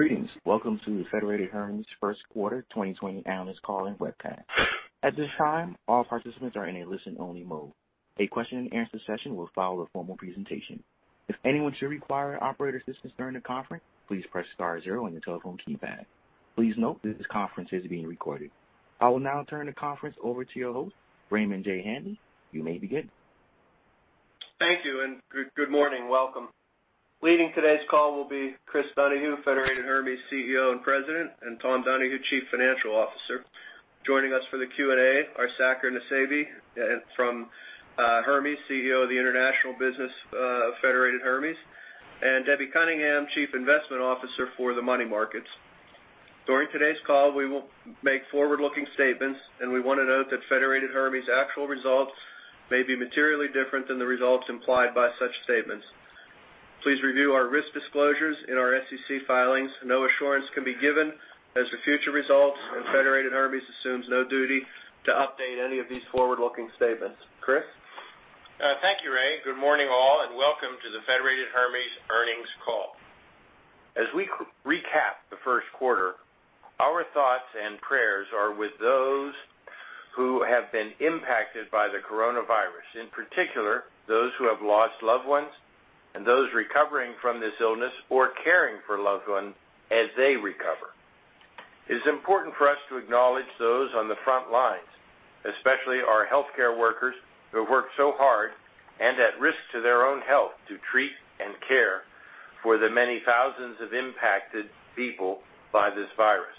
Greetings. Welcome to the Federated Hermes' First Quarter 2020 Analyst Call and Webcast. At this time, all participants are in a listen only mode. A question and answer session will follow the formal presentation. If anyone should require operator assistance during the conference, please press star zero on your telephone keypad. Please note this conference is being recorded. I will now turn the conference over to your host, Raymond J. Hanley. You may begin. Thank you and good morning. Welcome. Leading today's call will be Chris Donahue, Federated Hermes CEO and President, and Tom Donahue, Chief Financial Officer. Joining us for the Q&A are Saker Nusseibeh from Hermes, CEO of the International Business of Federated Hermes, and Debbie Cunningham, Chief Investment Officer for the money markets. During today's call, we will make forward-looking statements, and we want to note that Federated Hermes actual results may be materially different than the results implied by such statements. Please review our risk disclosures in our SEC filings. No assurance can be given as to future results, and Federated Hermes assumes no duty to update any of these forward-looking statements. Chris? Thank you, Ray. Good morning, all, and welcome to the Federated Hermes earnings call. As we recap the first quarter, our thoughts and prayers are with those who have been impacted by the coronavirus, in particular, those who have lost loved ones and those recovering from this illness or caring for loved ones as they recover. It is important for us to acknowledge those on the front lines, especially our healthcare workers who have worked so hard and at risk to their own health to treat and care for the many thousands of impacted people by this virus.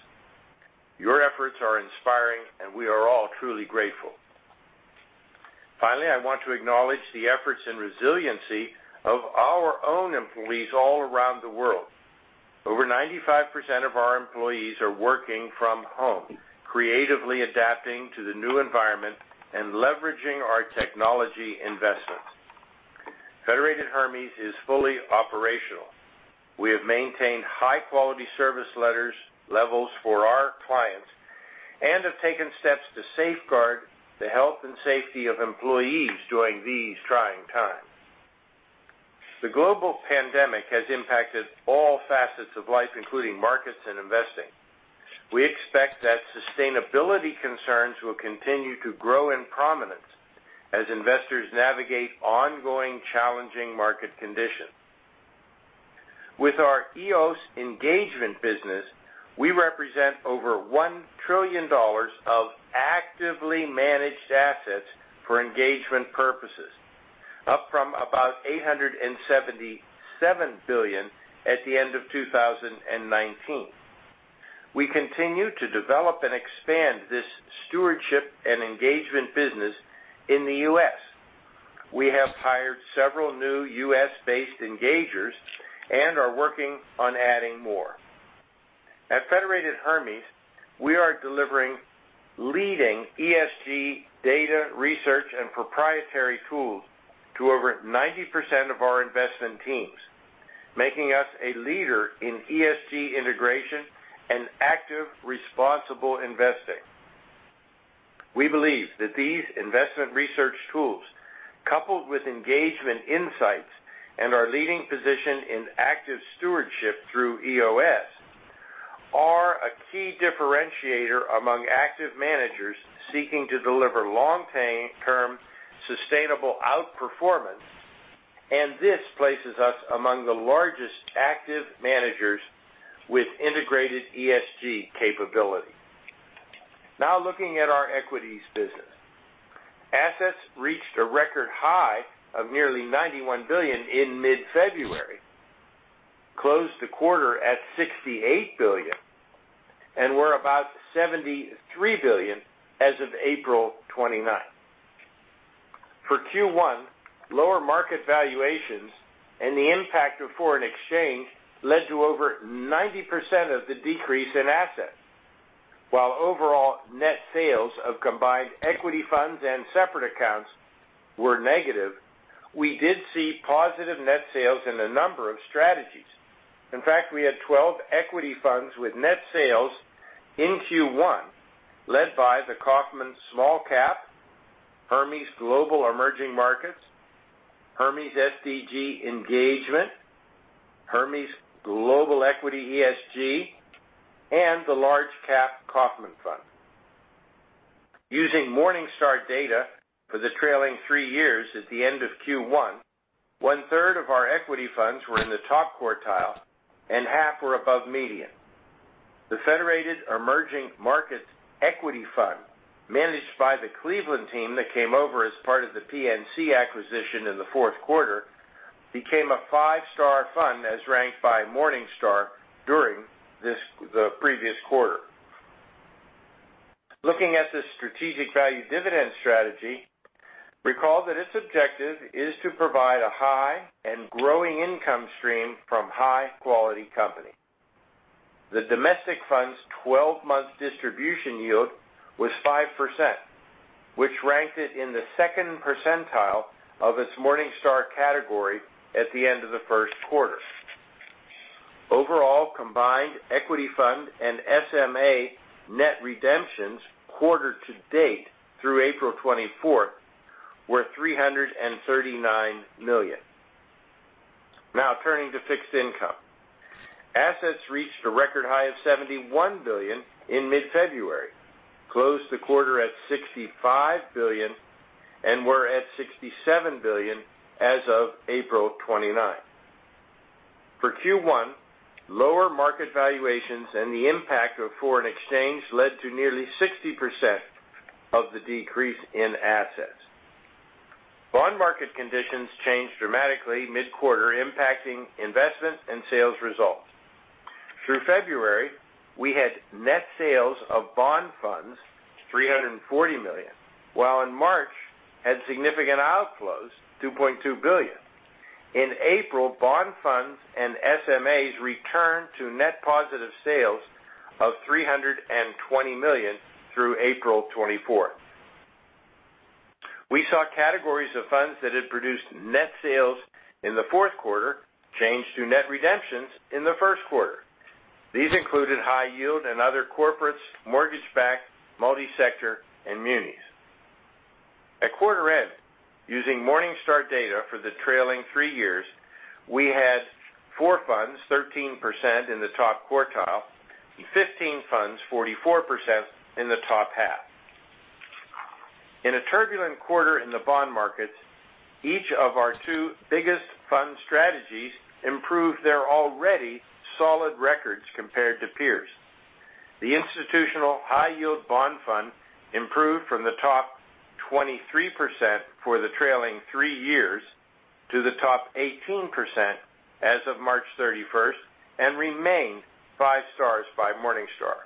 Your efforts are inspiring, and we are all truly grateful. Finally, I want to acknowledge the efforts and resiliency of our own employees all around the world. Over 95% of our employees are working from home, creatively adapting to the new environment and leveraging our technology investments. Federated Hermes is fully operational. We have maintained high-quality service levels for our clients and have taken steps to safeguard the health and safety of employees during these trying times. The global pandemic has impacted all facets of life, including markets and investing. We expect that sustainability concerns will continue to grow in prominence as investors navigate ongoing challenging market conditions. With our EOS engagement business, we represent over $1 trillion of actively managed assets for engagement purposes, up from about $877 billion at the end of 2019. We continue to develop and expand this stewardship and engagement business in the U.S. We have hired several new U.S.-based engagers and are working on adding more. At Federated Hermes, we are delivering leading ESG data research and proprietary tools to over 90% of our investment teams, making us a leader in ESG integration and active, responsible investing. We believe that these investment research tools, coupled with engagement insights and our leading position in active stewardship through EOS, are a key differentiator among active managers seeking to deliver long-term sustainable outperformance. This places us among the largest active managers with integrated ESG capability. Looking at our equities business. Assets reached a record high of nearly $91 billion in mid-February, closed the quarter at $68 billion, and we're about $73 billion as of April 29. For Q1, lower market valuations and the impact of foreign exchange led to over 90% of the decrease in assets. While overall net sales of combined equity funds and separate accounts were negative, we did see positive net sales in a number of strategies. In fact, we had 12 equity funds with net sales in Q1, led by the Kaufmann Small Cap, Hermes Global Emerging Markets, Hermes SDG Engagement, Hermes Global Equity ESG, and the Large Cap Kaufmann Fund. Using Morningstar data for the trailing three years at the end of Q1, 1/3 of our equity funds were in the top quartile and 1/2 were above median. The Federated Emerging Market Equity Fund, managed by the Cleveland team that came over as part of the PNC acquisition in the fourth quarter, became a five-star fund as ranked by Morningstar during the previous quarter. Looking at the strategic value dividend strategy, recall that its objective is to provide a high and growing income stream from high-quality company. The domestic fund's 12-month distribution yield was 5%, which ranked it in the second percentile of its Morningstar category at the end of the first quarter. Overall, combined equity fund and SMA net redemptions quarter to date through April 24th were $339 million. Turning to fixed income. Assets reached a record high of $71 billion in mid-February, closed the quarter at $65 billion, and were at $67 billion as of April 29th. For Q1, lower market valuations and the impact of foreign exchange led to nearly 60% of the decrease in assets. Bond market conditions changed dramatically mid-quarter, impacting investment and sales results. Through February, we had net sales of bond funds, $340 million, while in March had significant outflows, $2.2 billion. In April, bond funds and SMAs returned to net positive sales of $320 million through April 24th. We saw categories of funds that had produced net sales in the fourth quarter, change to net redemptions in the first quarter. These included high yield and other corporates, mortgage-backed, multi-sector, and munis. At quarter end, using Morningstar data for the trailing three years, we had four funds, 13% in the top quartile, and 15 funds, 44% in the top half. In a turbulent quarter in the bond markets, each of our two biggest fund strategies improved their already solid records compared to peers. The institutional high yield bond fund improved from the top 23% for the trailing three years to the top 18% as of March 31st, and remained five stars by Morningstar.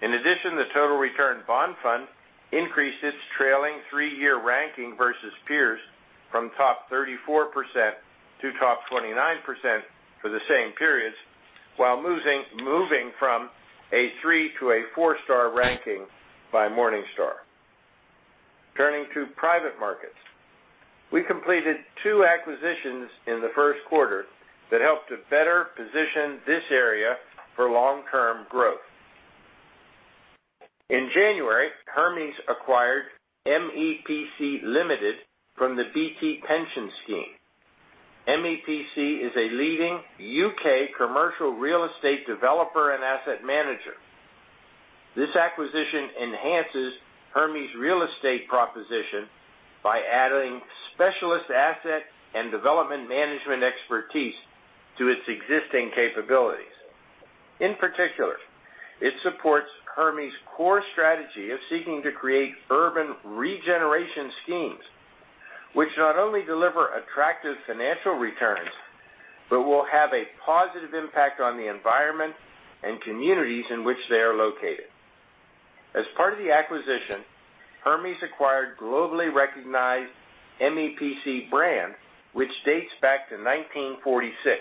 In addition, the total return bond fund increased its trailing three-year ranking versus peers from top 34% to top 29% for the same periods, while moving from a three to a four-star ranking by Morningstar. Turning to private markets. We completed two acquisitions in the first quarter that helped to better position this area for long-term growth. In January, Hermes acquired MEPC Limited from the BT Pension Scheme. MEPC is a leading U.K. commercial real estate developer and asset manager. This acquisition enhances Hermes' real estate proposition by adding specialist asset and development management expertise to its existing capabilities. In particular, it supports Hermes' core strategy of seeking to create urban regeneration schemes, which not only deliver attractive financial returns, but will have a positive impact on the environment and communities in which they are located. As part of the acquisition, Hermes acquired globally recognized MEPC brand, which dates back to 1946.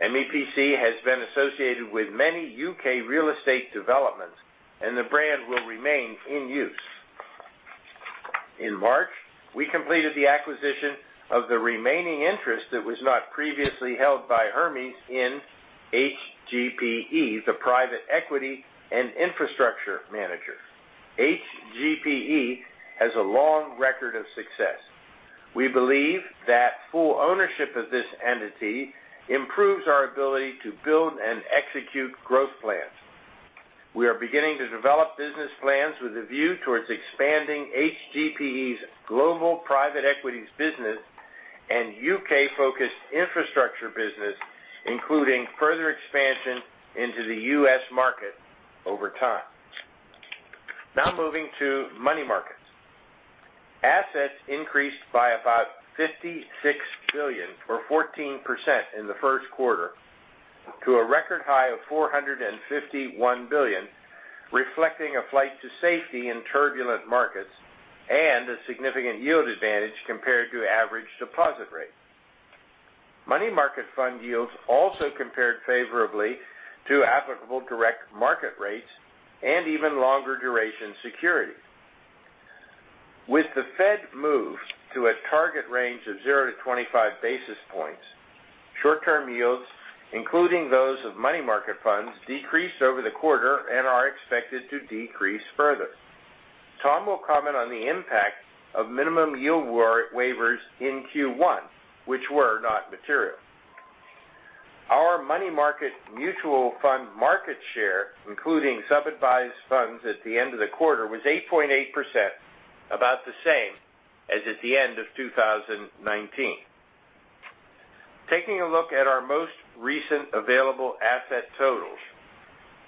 MEPC has been associated with many U.K. real estate developments, and the brand will remain in use. In March, we completed the acquisition of the remaining interest that was not previously held by Hermes in HGPE, the private equity and infrastructure manager. HGPE has a long record of success. We believe that full ownership of this entity improves our ability to build and execute growth plans. We are beginning to develop business plans with a view towards expanding HGPE's global private equities business and U.K.-focused infrastructure business, including further expansion into the U.S. market over time. Now moving to money markets. Assets increased by about $56 billion or 14% in the first quarter to a record high of $451 billion, reflecting a flight to safety in turbulent markets and a significant yield advantage compared to average deposit rate. Money market fund yields also compared favorably to applicable direct market rates and even longer duration security. With the Fed move to a target range of zero to 25 basis points, short-term yields, including those of money market funds, decreased over the quarter and are expected to decrease further. Tom will comment on the impact of minimum yield waivers in Q1, which were not material. Our money market mutual fund market share, including sub-advised funds at the end of the quarter, was 8.8%, about the same as at the end of 2019. Taking a look at our most recent available asset totals.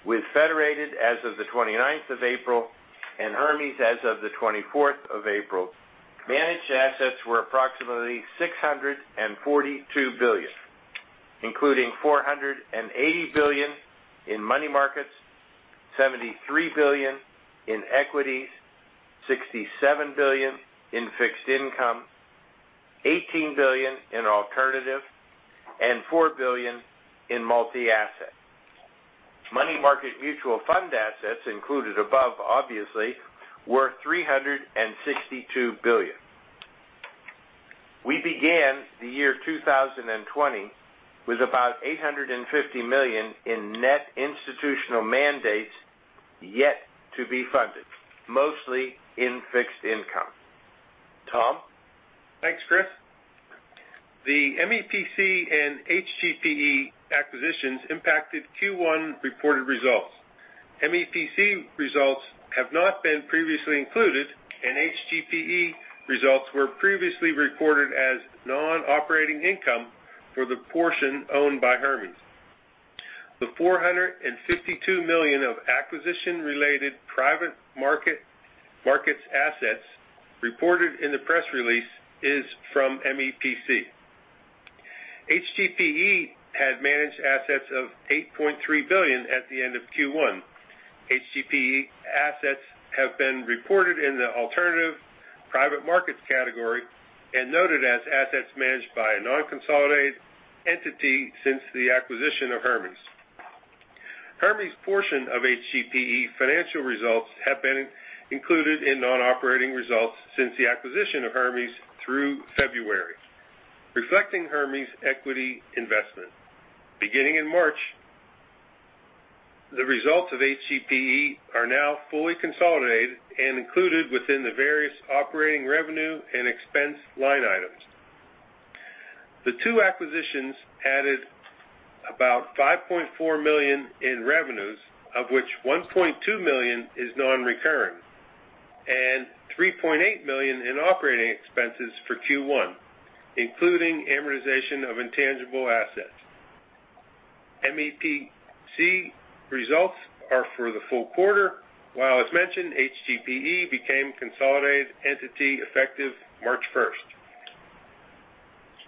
With Federated as of the 29th of April and Hermes as of the 24th of April, managed assets were approximately $642 billion, including $480 billion in money markets, $73 billion in equities, $67 billion in fixed income, $18 billion in alternative, and $4 billion in multi-asset. Money market mutual fund assets included above, obviously, were $362 billion. We began the year 2020 with about $850 million in net institutional mandates yet to be funded, mostly in fixed income. Tom? Thanks, Chris. The MEPC and HGPE acquisitions impacted Q1 reported results. MEPC results have not been previously included, and HGPE results were previously reported as non-operating income for the portion owned by Hermes. The $452 million of acquisition-related private markets assets reported in the press release is from MEPC. HGPE had managed assets of $8.3 billion at the end of Q1. HGPE assets have been reported in the alternative private markets category and noted as assets managed by a non-consolidated entity since the acquisition of Hermes. Hermes' portion of HGPE financial results have been included in non-operating results since the acquisition of Hermes through February, reflecting Hermes' equity investment. Beginning in March, the results of HGPE are now fully consolidated and included within the various operating revenue and expense line items. The two acquisitions added about $5.4 million in revenues, of which $1.2 million is non-recurring, and $3.8 million in operating expenses for Q1, including amortization of intangible assets. MEPC results are for the full quarter, while, as mentioned, HGPE became a consolidated entity effective March 1st.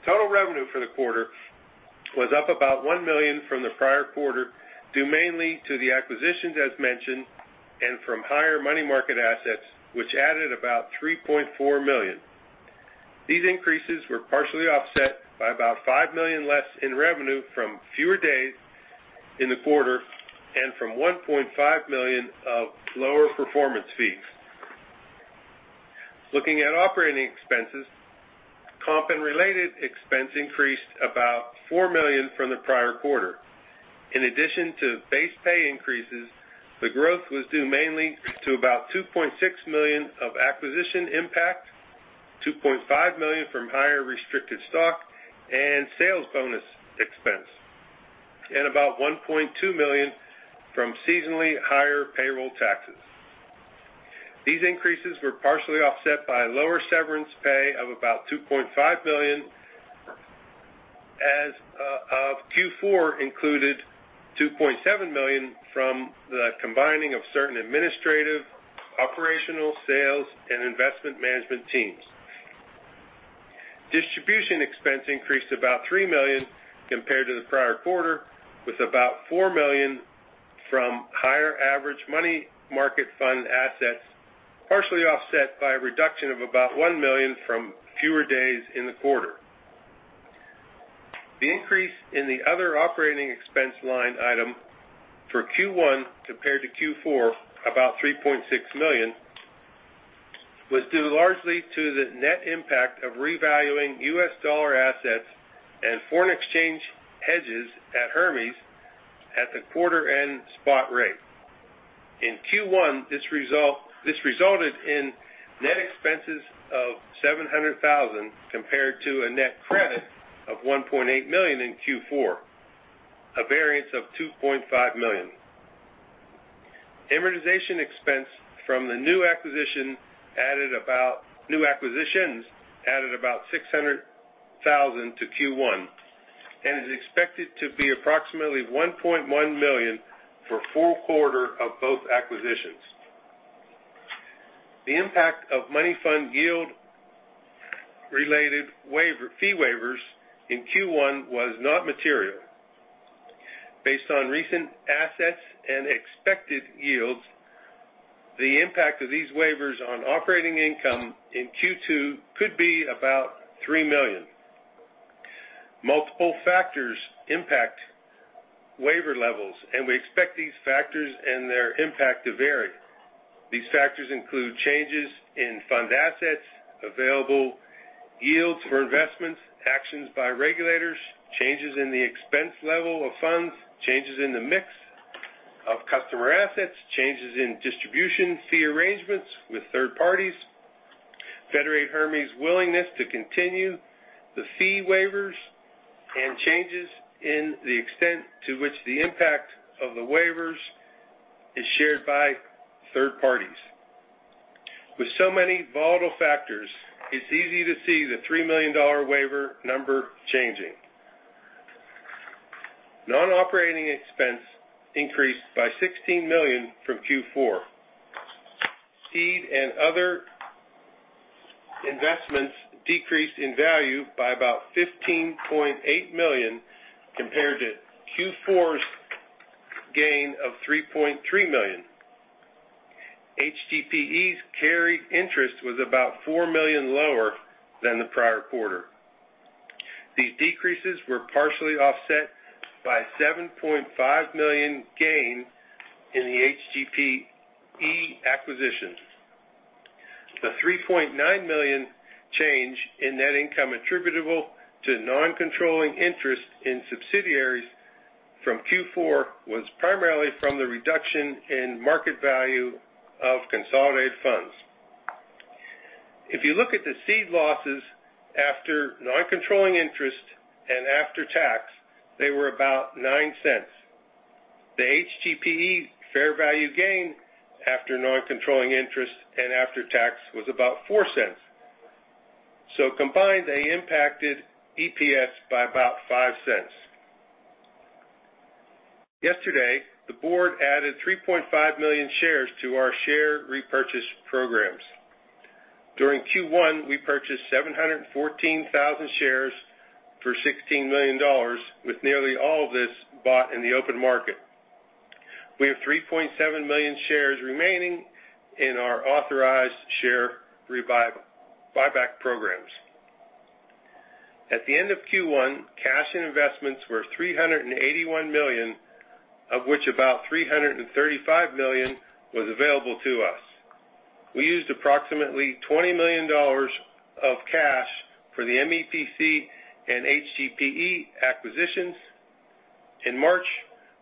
Total revenue for the quarter was up about $1 million from the prior quarter, due mainly to the acquisitions as mentioned, and from higher money market assets, which added about $3.4 million. These increases were partially offset by about $5 million less in revenue from fewer days in the quarter and from $1.5 million of lower performance fees. Looking at operating expenses, comp and related expense increased about $4 million from the prior quarter. In addition to base pay increases, the growth was due mainly to $2.6 million of acquisition impact, $2.5 million from higher restricted stock and sales bonus expense, and $1.2 million from seasonally higher payroll taxes. These increases were partially offset by lower severance pay of $2.5 million, as Q4 included $2.7 million from the combining of certain administrative, operational, sales, and investment management teams. Distribution expense increased $3 million compared to the prior quarter, with $4 million from higher average money market fund assets, partially offset by a reduction of $1 million from fewer days in the quarter. The increase in the other operating expense line item for Q1 compared to Q4, $3.6 million, was due largely to the net impact of revaluing U.S. dollar assets and foreign exchange hedges at Hermes at the quarter end spot rate. In Q1, this resulted in net expenses of $700,000 compared to a net credit of $1.8 million in Q4, a variance of $2.5 million. Amortization expense from the new acquisitions added about $600,000 to Q1 and is expected to be approximately $1.1 million for full quarter of both acquisitions. The impact of money fund yield-related fee waivers in Q1 was not material. Based on recent assets and expected yields, the impact of these waivers on operating income in Q2 could be about $3 million. Multiple factors impact waiver levels, and we expect these factors and their impact to vary. These factors include changes in fund assets, available yields for investments, actions by regulators, changes in the expense level of funds, changes in the mix of customer assets, changes in distribution fee arrangements with third parties, Federated Hermes' willingness to continue the fee waivers, and changes in the extent to which the impact of the waivers is shared by third parties. With so many volatile factors, it's easy to see the $3 million waiver number changing. Non-operating expense increased by $16 million from Q4. Seed and other investments decreased in value by about $15.8 million compared to Q4's gain of $3.3 million. HGPE's carried interest was about $4 million lower than the prior quarter. These decreases were partially offset by a $7.5 million gain in the HGPE acquisition. The $3.9 million change in net income attributable to non-controlling interest in subsidiaries from Q4 was primarily from the reduction in market value of consolidated funds. If you look at the seed losses after non-controlling interest and after tax, they were about $0.09. The HGPE fair value gain after non-controlling interest and after tax was about $0.04. Combined, they impacted EPS by about $0.05. Yesterday, the board added 3.5 million shares to our share repurchase programs. During Q1, we purchased 714,000 shares for $16 million, with nearly all of this bought in the open market. We have 3.7 million shares remaining in our authorized share buyback programs. At the end of Q1, cash and investments were $381 million, of which about $335 million was available to us. We used approximately $20 million of cash for the MEPC and HGPE acquisitions. In March,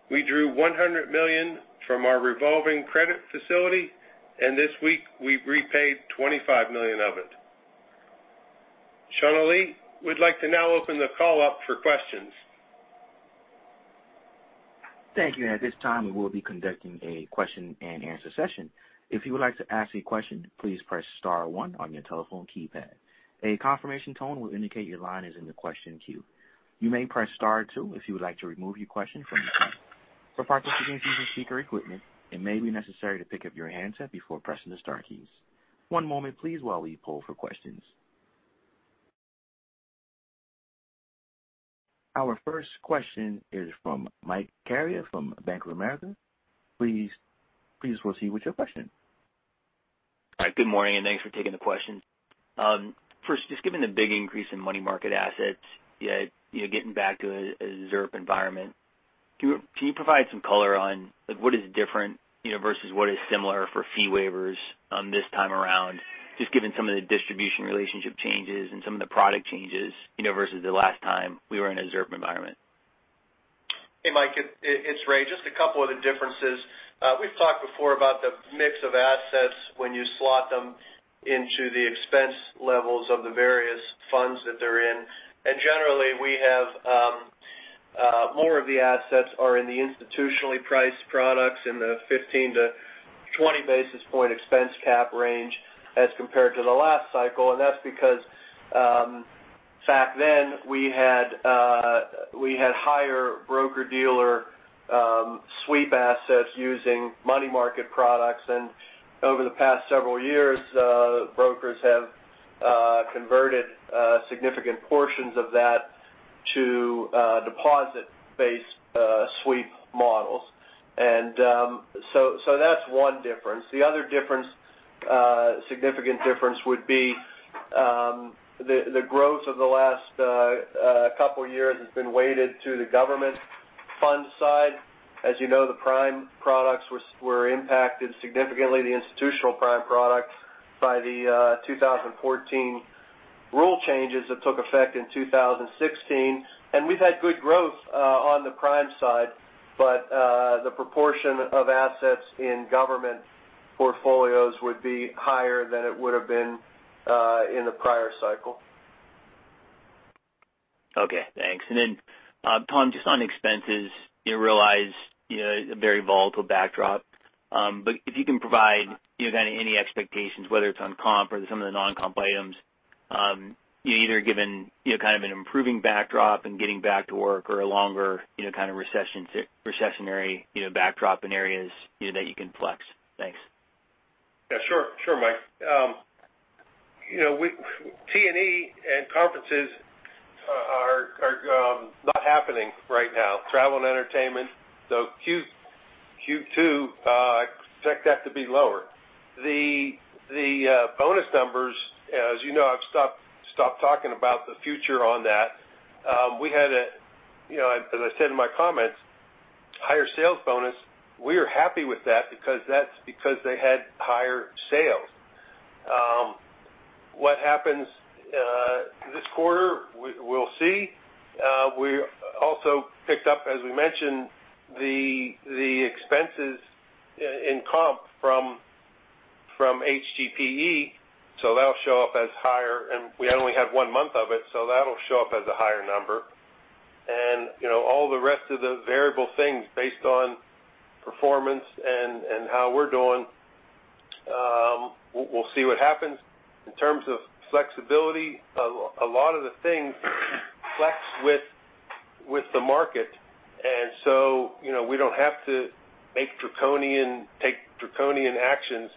we drew $100 million from our revolving credit facility, and this week we repaid $25 million of it. Shauna Lee, we'd like to now open the call up for questions. Thank you. At this time, we will be conducting a question and answer session. If you would like to ask a question, please pressstar one on your telephone keypad. A confirmation tone will indicate your line is in the question queue. You may press star two if you would like to remove your question from the queue. For participants using speaker equipment, it may be necessary to pick up your handset before pressing the star keys. One moment please while we poll for questions. Our first question is from Mike Carrier from Bank of America. Please proceed with your question. Hi. Good morning, and thanks for taking the questions. First, just given the big increase in money market assets, getting back to a ZIRP environment, can you provide some color on what is different versus what is similar for fee waivers this time around, just given some of the distribution relationship changes and some of the product changes versus the last time we were in a ZIRP environment? Hey, Mike, it's Ray. Just a couple of the differences. We've talked before about the mix of assets when you slot them into the expense levels of the various funds that they're in. Generally, we have more of the assets are in the institutionally priced products in the 15-20 basis point expense cap range as compared to the last cycle. That's because back then we had higher broker-dealer sweep assets using money market products. Over the past several years, brokers have converted significant portions of that to deposit-based sweep models. That's one difference. The other significant difference would be the growth of the last couple of years has been weighted to the government fund side. As you know, the prime products were impacted significantly, the institutional prime products, by the 2014 rule changes that took effect in 2016. We've had good growth on the prime side, but the proportion of assets in government portfolios would be higher than it would have been in the prior cycle. Okay, thanks. Tom, just on expenses, you realize a very volatile backdrop. If you can provide any expectations, whether it's on comp or some of the non-comp items, either given kind of an improving backdrop and getting back to work or a longer kind of recessionary backdrop in areas that you can flex. Thanks. Yeah, sure. Sure, Mike. T&E and conferences are not happening right now. Travel and entertainment. Q2, I expect that to be lower. The bonus numbers, as you know, I've stopped talking about the future on that. As I said in my comments, higher sales bonus, we are happy with that because that's because they had higher sales. What happens this quarter, we'll see. We also picked up, as we mentioned, the expenses in comp from HGPE. That'll show up as higher, and we only have one month of it, so that'll show up as a higher number. All the rest of the variable things based on performance and how we're doing, we'll see what happens. In terms of flexibility, a lot of the things flex with the market, and so we don't have to take draconian actions.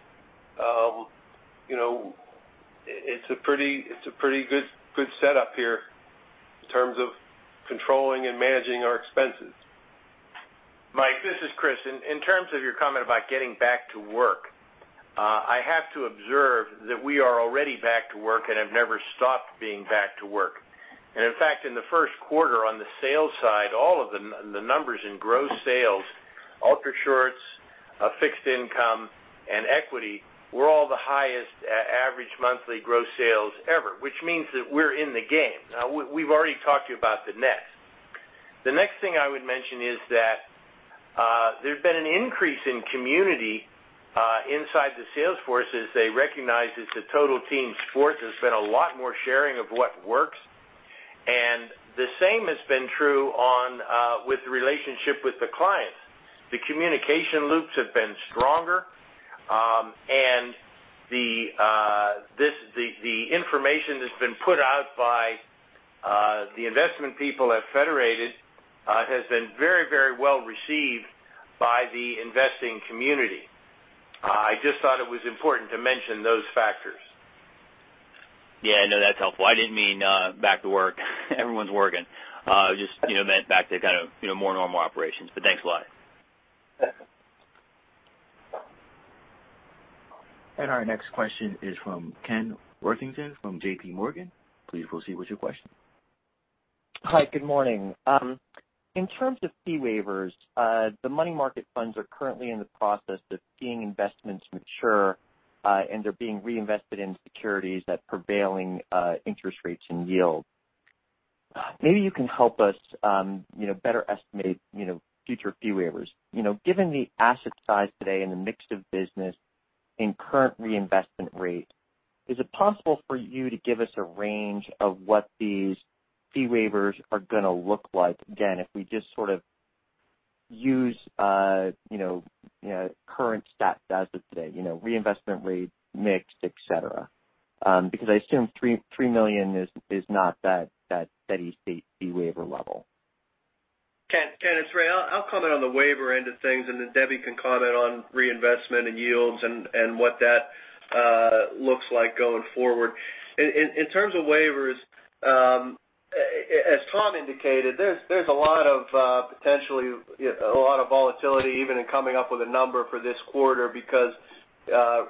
It's a pretty good setup here in terms of controlling and managing our expenses. Mike, this is Chris. In terms of your comment about getting back to work, I have to observe that we are already back to work and have never stopped being back to work. In fact, in the first quarter on the sales side, all of the numbers in gross sales, ultra shorts, fixed income, and equity were all the highest average monthly gross sales ever, which means that we're in the game. We've already talked to you about the net. The next thing I would mention is that there's been an increase in community inside the sales force as they recognize it's a total team sport. There's been a lot more sharing of what works, and the same has been true with the relationship with the clients. The communication loops have been stronger, and the information that's been put out by the investment people at Federated has been very well received by the investing community. I just thought it was important to mention those factors. Yeah, no, that's helpful. I didn't mean back to work. Everyone's working. Just meant back to kind of more normal operations, but thanks a lot. Yeah. Our next question is from Kenneth Worthington from JPMorgan. Please proceed with your question. Hi, good morning. In terms of fee waivers, the money market funds are currently in the process of seeing investments mature, and they're being reinvested in securities at prevailing interest rates and yield. Maybe you can help us better estimate future fee waivers. Given the asset size today and the mix of business and current reinvestment rate, is it possible for you to give us a range of what these fee waivers are going to look like? Again, if we just sort of use current stats as of today, reinvestment rate, mix, et cetera, because I assume $3 million is not that steady-state fee waiver level. Ken, it's Ray. I'll comment on the waiver end of things, and then Debbie can comment on reinvestment and yields and what that looks like going forward. In terms of waivers, as Tom indicated, there's potentially a lot of volatility even in coming up with a number for this quarter because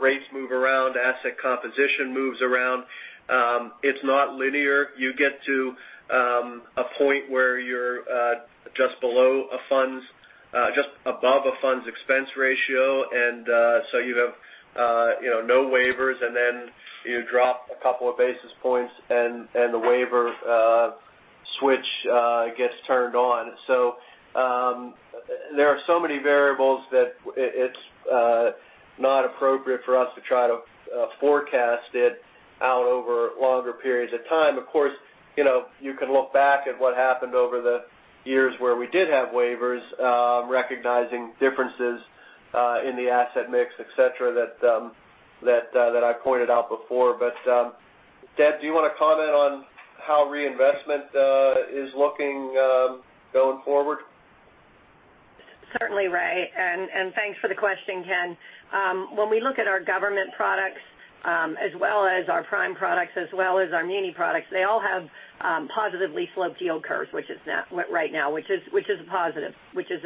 rates move around, asset composition moves around. It's not linear. You get to a point where you're just above a fund's expense ratio, and so you have no waivers, and then you drop a couple of basis points, and the waiver switch gets turned on. There are so many variables that it's not appropriate for us to try to forecast it out over longer periods of time. Of course, you can look back at what happened over the years where we did have waivers, recognizing differences in the asset mix, et cetera, that I pointed out before. Debbie, do you want to comment on how reinvestment is looking going forward? Certainly, Ray, and thanks for the question, Ken. When we look at our government products, as well as our prime products, as well as our muni products, they all have positively sloped yield curves right now, which is a positive, which is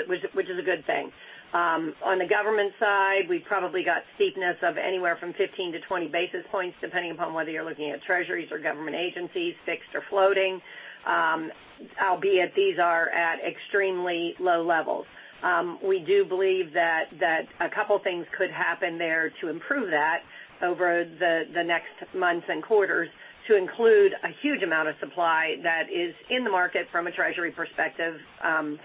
a good thing. On the government side, we probably got steepness of anywhere from 15-20 basis points, depending upon whether you're looking at treasuries or government agencies, fixed or floating, albeit these are at extremely low levels. We do believe that a couple of things could happen there to improve that over the next months and quarters to include a huge amount of supply that is in the market from a treasury perspective,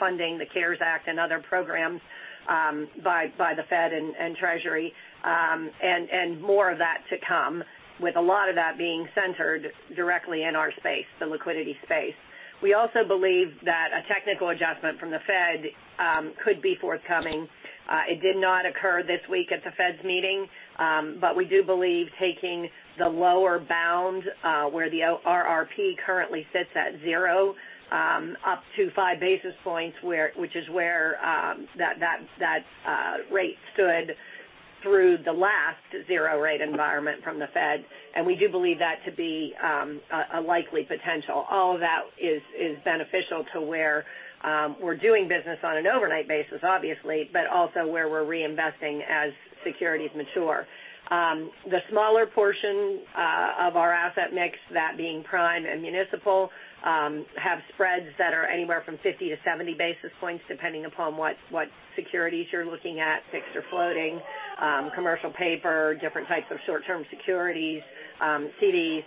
funding the CARES Act and other programs by the Fed and Treasury, and more of that to come, with a lot of that being centered directly in our space, the liquidity space. We also believe that a technical adjustment from the Fed could be forthcoming. It did not occur this week at the Fed's meeting. We do believe taking the lower bound, where the RRP currently sits at zero up to 5 basis points, which is where that rate stood through the last zero rate environment from the Fed, and we do believe that to be a likely potential. All of that is beneficial to where we're doing business on an overnight basis, obviously, but also where we're reinvesting as securities mature. The smaller portion of our asset mix, that being prime and municipal, have spreads that are anywhere from 50-70 basis points, depending upon what securities you're looking at, fixed or floating, commercial paper, different types of short-term securities, CDs.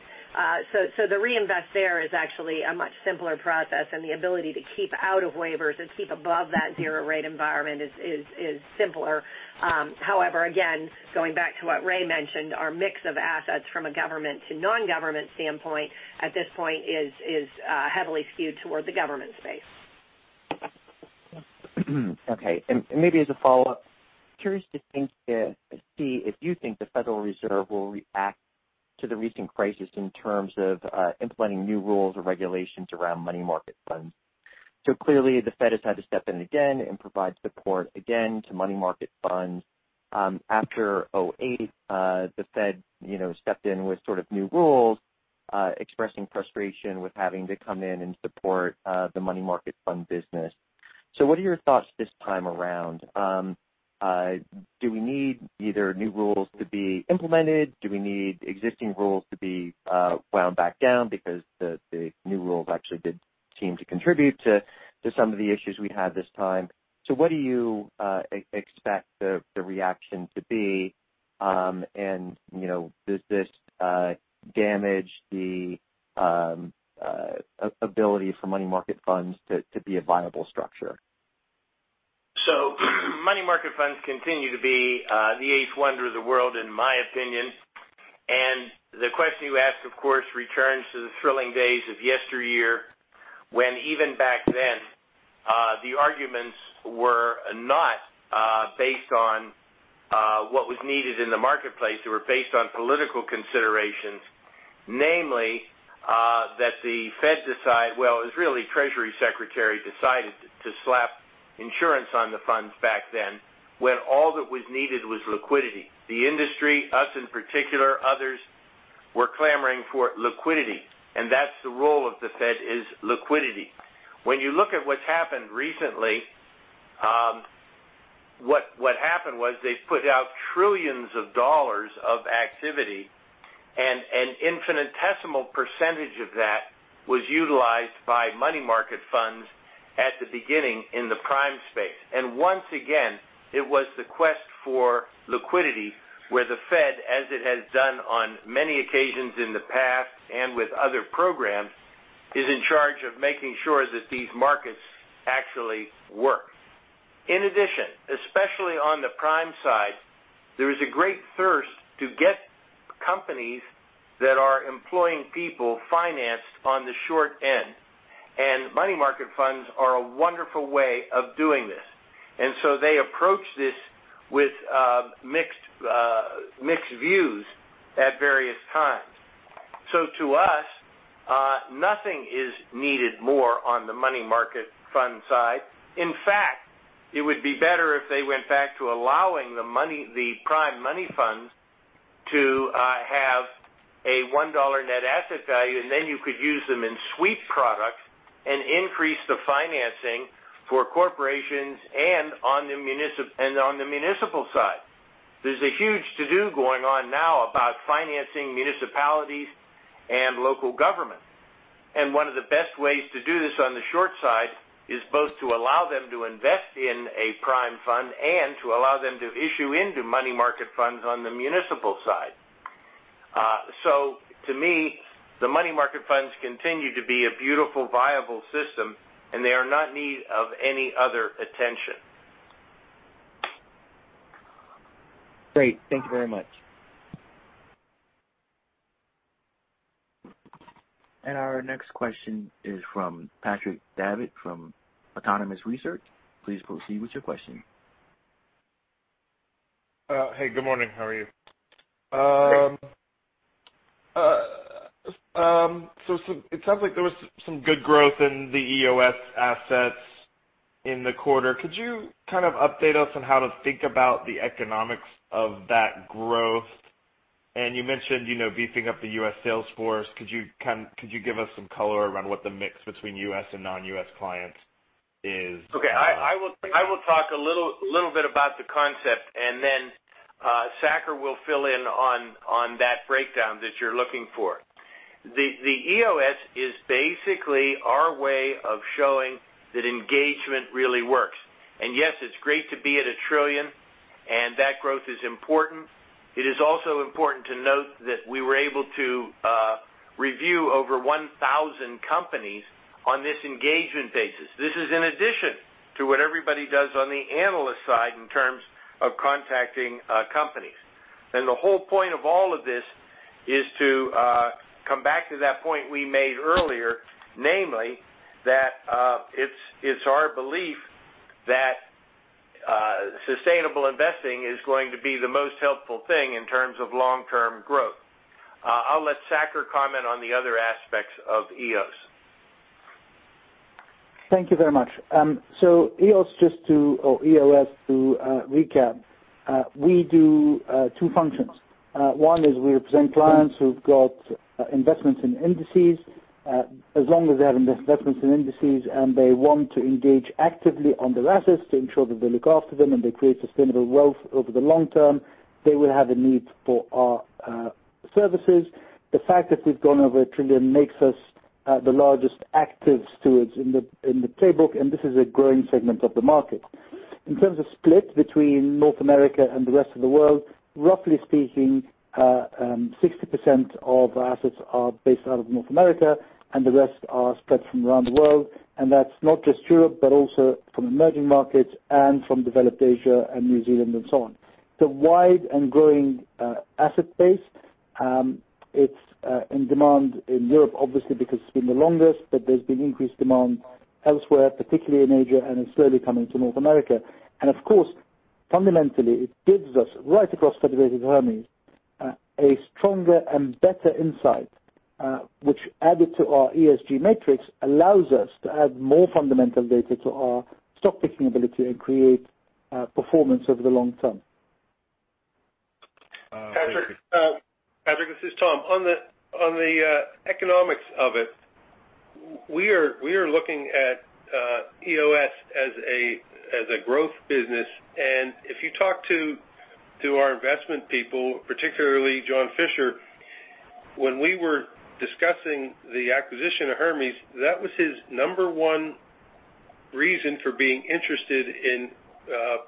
The reinvest there is actually a much simpler process, and the ability to keep out of waivers and keep above that zero rate environment is simpler. However, again, going back to what Ray mentioned, our mix of assets from a government to non-government standpoint, at this point is heavily skewed toward the government space. Okay, maybe as a follow-up, curious to see if you think the Federal Reserve will react to the recent crisis in terms of implementing new rules or regulations around money market funds. Clearly, the Fed has had to step in again and provide support again to money market funds. After 2008, the Fed stepped in with sort of new rules. Expressing frustration with having to come in and support the money market fund business. What are your thoughts this time around? Do we need either new rules to be implemented? Do we need existing rules to be wound back down because the new rules actually did seem to contribute to some of the issues we had this time? What do you expect the reaction to be? Does this damage the ability for money market funds to be a viable structure? Money market funds continue to be the eighth wonder of the world, in my opinion. The question you asked, of course, returns to the thrilling days of yesteryear, when even back then, the arguments were not based on what was needed in the marketplace. They were based on political considerations, namely, that the Treasury Secretary decided to slap insurance on the funds back then, when all that was needed was liquidity. The industry, us in particular, others, were clamoring for liquidity. That's the role of the Fed, is liquidity. When you look at what's happened recently, what happened was they put out trillions of dollars of activity, and an infinitesimal percentage of that was utilized by money market funds at the beginning in the prime space. Once again, it was the quest for liquidity, where the Fed, as it has done on many occasions in the past and with other programs, is in charge of making sure that these markets actually work. In addition, especially on the prime side, there is a great thirst to get companies that are employing people financed on the short end, and money market funds are a wonderful way of doing this. They approach this with mixed views at various times. To us, nothing is needed more on the money market fund side. In fact, it would be better if they went back to allowing the prime money funds to have a $1 net asset value, and then you could use them in sweep products and increase the financing for corporations and on the municipal side. There's a huge to-do going on now about financing municipalities and local government. One of the best ways to do this on the short side is both to allow them to invest in a prime fund and to allow them to issue into money market funds on the municipal side. To me, the money market funds continue to be a beautiful, viable system, and they are not in need of any other attention. Great. Thank you very much. Our next question is from Patrick Davitt from Autonomous Research. Please proceed with your question. Hey, good morning. How are you? Great. It sounds like there was some good growth in the EOS assets in the quarter. Could you kind of update us on how to think about the economics of that growth? You mentioned beefing up the U.S. sales force. Could you give us some color around what the mix between U.S. and non-U.S. clients is? Okay. I will talk a little bit about the concept, and then Saker will fill in on that breakdown that you're looking for. The EOS is basically our way of showing that engagement really works. Yes, it's great to be at $1 trillion, and that growth is important. It is also important to note that we were able to review over 1,000 companies on this engagement basis. This is in addition to what everybody does on the analyst side in terms of contacting companies. The whole point of all of this is to come back to that point we made earlier, namely, that it's our belief that sustainable investing is going to be the most helpful thing in terms of long-term growth. I'll let Saker comment on the other aspects of EOS. Thank you very much. EOS, to recap, we do two functions. One is we represent clients who've got investments in indices. As long as they have investments in indices and they want to engage actively on their assets to ensure that they look after them and they create sustainable wealth over the long term, they will have a need for our services. The fact that we've gone over $1 trillion makes us the largest active stewards in the playbook, and this is a growing segment of the market. In terms of split between North America and the rest of the world, roughly speaking, 60% of our assets are based out of North America, and the rest are spread from around the world. That's not just Europe, but also from emerging markets and from developed Asia and New Zealand and so on. It's a wide and growing asset base. It's in demand in Europe, obviously, because it's been the longest. There's been increased demand elsewhere, particularly in Asia. It's slowly coming to North America. Of course, fundamentally, it gives us, right across Federated Hermes, a stronger and better insight, which added to our ESG metrics, allows us to add more fundamental data to our stock picking ability and create performance over the long term. Patrick, this is Tom. On the economics of it, we are looking at EOS as a growth business. If you talk to our investment people, particularly John Fisher, when we were discussing the acquisition of Hermes, that was his number one reason for being interested in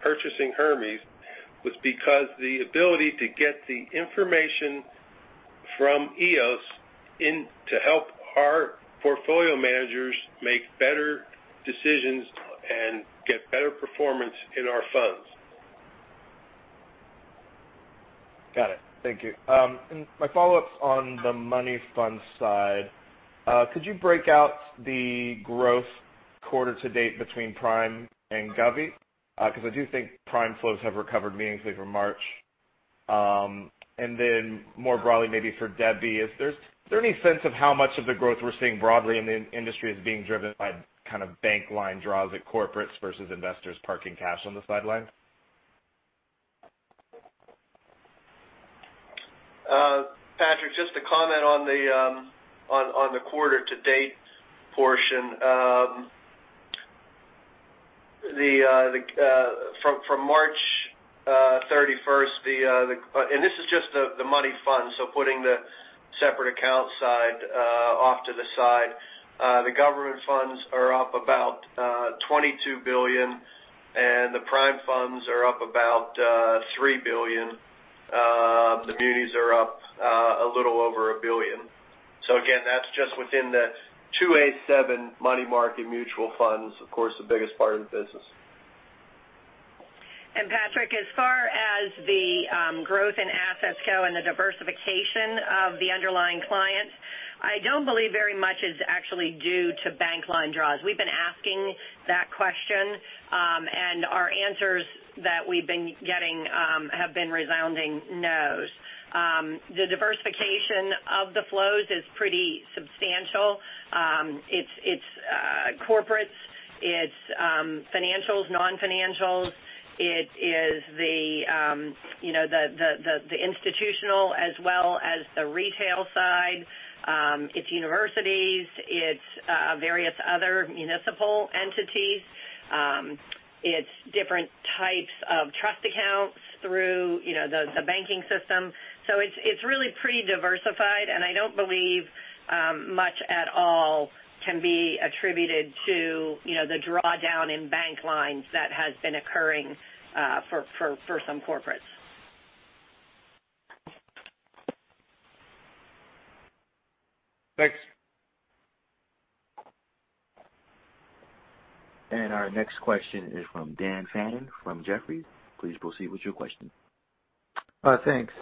purchasing Hermes, was because the ability to get the information from EOS in to help our portfolio managers make better decisions and get better performance in our funds. Got it. Thank you. My follow-up's on the money fund side. Could you break out the growth quarter to date between prime and govie? Because I do think prime flows have recovered meaningfully from March. Then more broadly, maybe for Debbie, is there any sense of how much of the growth we're seeing broadly in the industry is being driven by kind of bank line draws at corporates versus investors parking cash on the sideline? Patrick, just to comment on the quarter to date portion. From March 31st, and this is just the money fund, so putting the separate account side off to the side. The government funds are up about $22 billion, and the prime funds are up about $3 billion. The munis are up a little over $1 billion. Again, that's just within the Rule 2a-7 money market mutual funds, of course, the biggest part of the business. Patrick, as far as the growth in assets go and the diversification of the underlying clients, I don't believe very much is actually due to bank line draws. We've been asking that question, and our answers that we've been getting have been resounding nos. The diversification of the flows is pretty substantial. It's corporates, it's financials, non-financials. It is the institutional as well as the retail side. It's universities. It's various other municipal entities. It's different types of trust accounts through the banking system. It's really pretty diversified, and I don't believe much at all can be attributed to the drawdown in bank lines that has been occurring for some corporates. Thanks. Our next question is from Daniel Fannon from Jefferies. Please proceed with your question. Thanks.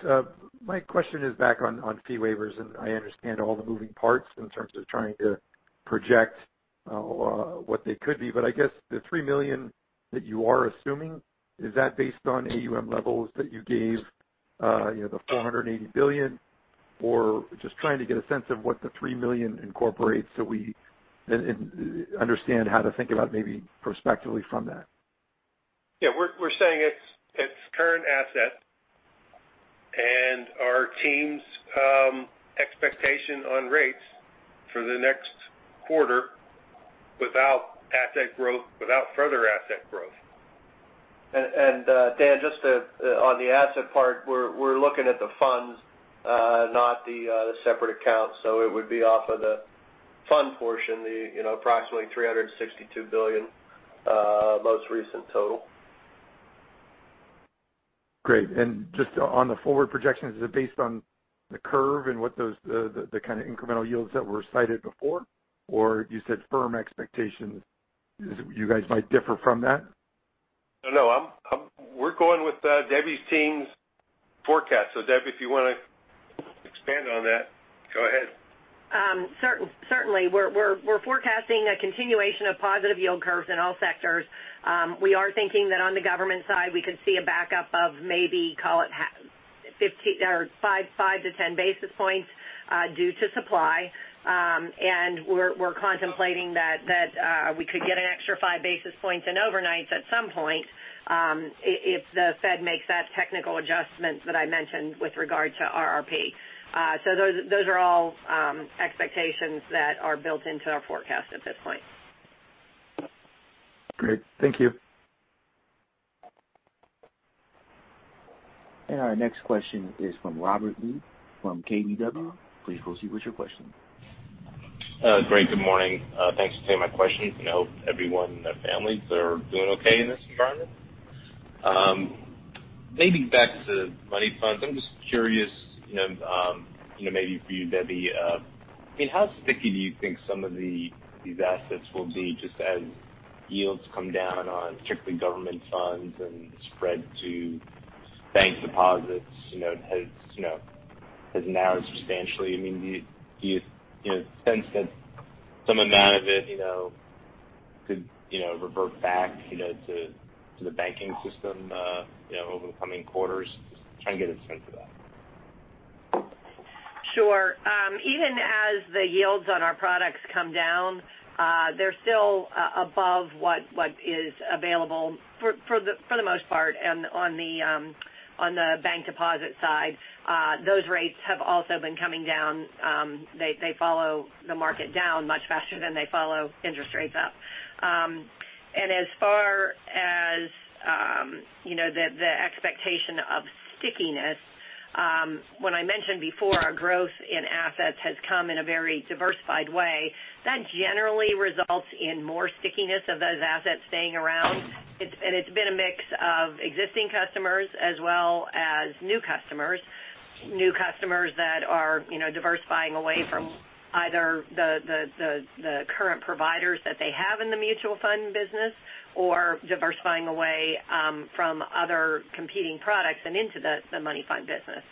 My question is back on fee waivers. I understand all the moving parts in terms of trying to project what they could be. I guess the $3 million that you are assuming, is that based on AUM levels that you gave, the $480 billion, or just trying to get a sense of what the $3 million incorporates so we understand how to think about maybe prospectively from that. Yeah. We're saying it's current asset, and our team's expectation on rates for the next quarter without further asset growth. Dan, just on the asset part, we're looking at the funds, not the separate accounts. It would be off of the fund portion, the approximately $362 billion most recent total. Great. Just on the forward projections, is it based on the curve and what those kind of incremental yields that were cited before? You said firm expectations. You guys might differ from that? No. We're going with Debbie's team's forecast. Debbie, if you want to expand on that, go ahead. Certainly. We're forecasting a continuation of positive yield curves in all sectors. We are thinking that on the government side, we could see a backup of maybe, call it 5-10 basis points due to supply. We're contemplating that we could get an extra 5 basis points in overnights at some point if the Fed makes that technical adjustment that I mentioned with regard to RRP. Those are all expectations that are built into our forecast at this point. Great. Thank you. Our next question is from Robert Lee from KBW. Please proceed with your question. Great, good morning. Thanks for taking my questions, and I hope everyone and their families are doing okay in this environment. Maybe back to money funds. I'm just curious, maybe for you, Debbie. How sticky do you think some of these assets will be just as yields come down on strictly government funds and spread to bank deposits has narrowed substantially? Do you sense that some amount of it could revert back to the banking system over the coming quarters? Just trying to get a sense of that. Sure. Even as the yields on our products come down, they're still above what is available for the most part. On the bank deposit side, those rates have also been coming down. They follow the market down much faster than they follow interest rates up. As far as the expectation of stickiness, when I mentioned before our growth in assets has come in a very diversified way, that generally results in more stickiness of those assets staying around. It's been a mix of existing customers as well as new customers. New customers that are diversifying away from either the current providers that they have in the mutual fund business or diversifying away from other competing products and into the money fund business.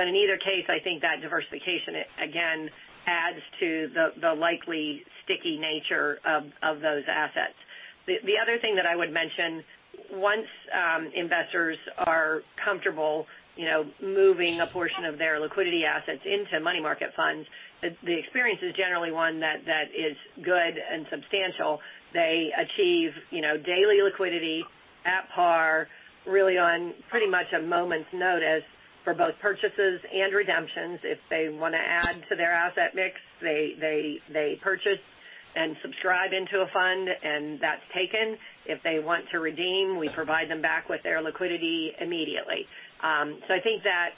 In either case, I think that diversification, again, adds to the likely sticky nature of those assets. The other thing that I would mention, once investors are comfortable moving a portion of their liquidity assets into money market funds, the experience is generally one that is good and substantial. They achieve daily liquidity at par, really on pretty much a moment's notice for both purchases and redemptions. If they want to add to their asset mix, they purchase and subscribe into a fund. That's taken. If they want to redeem, we provide them back with their liquidity immediately. I think that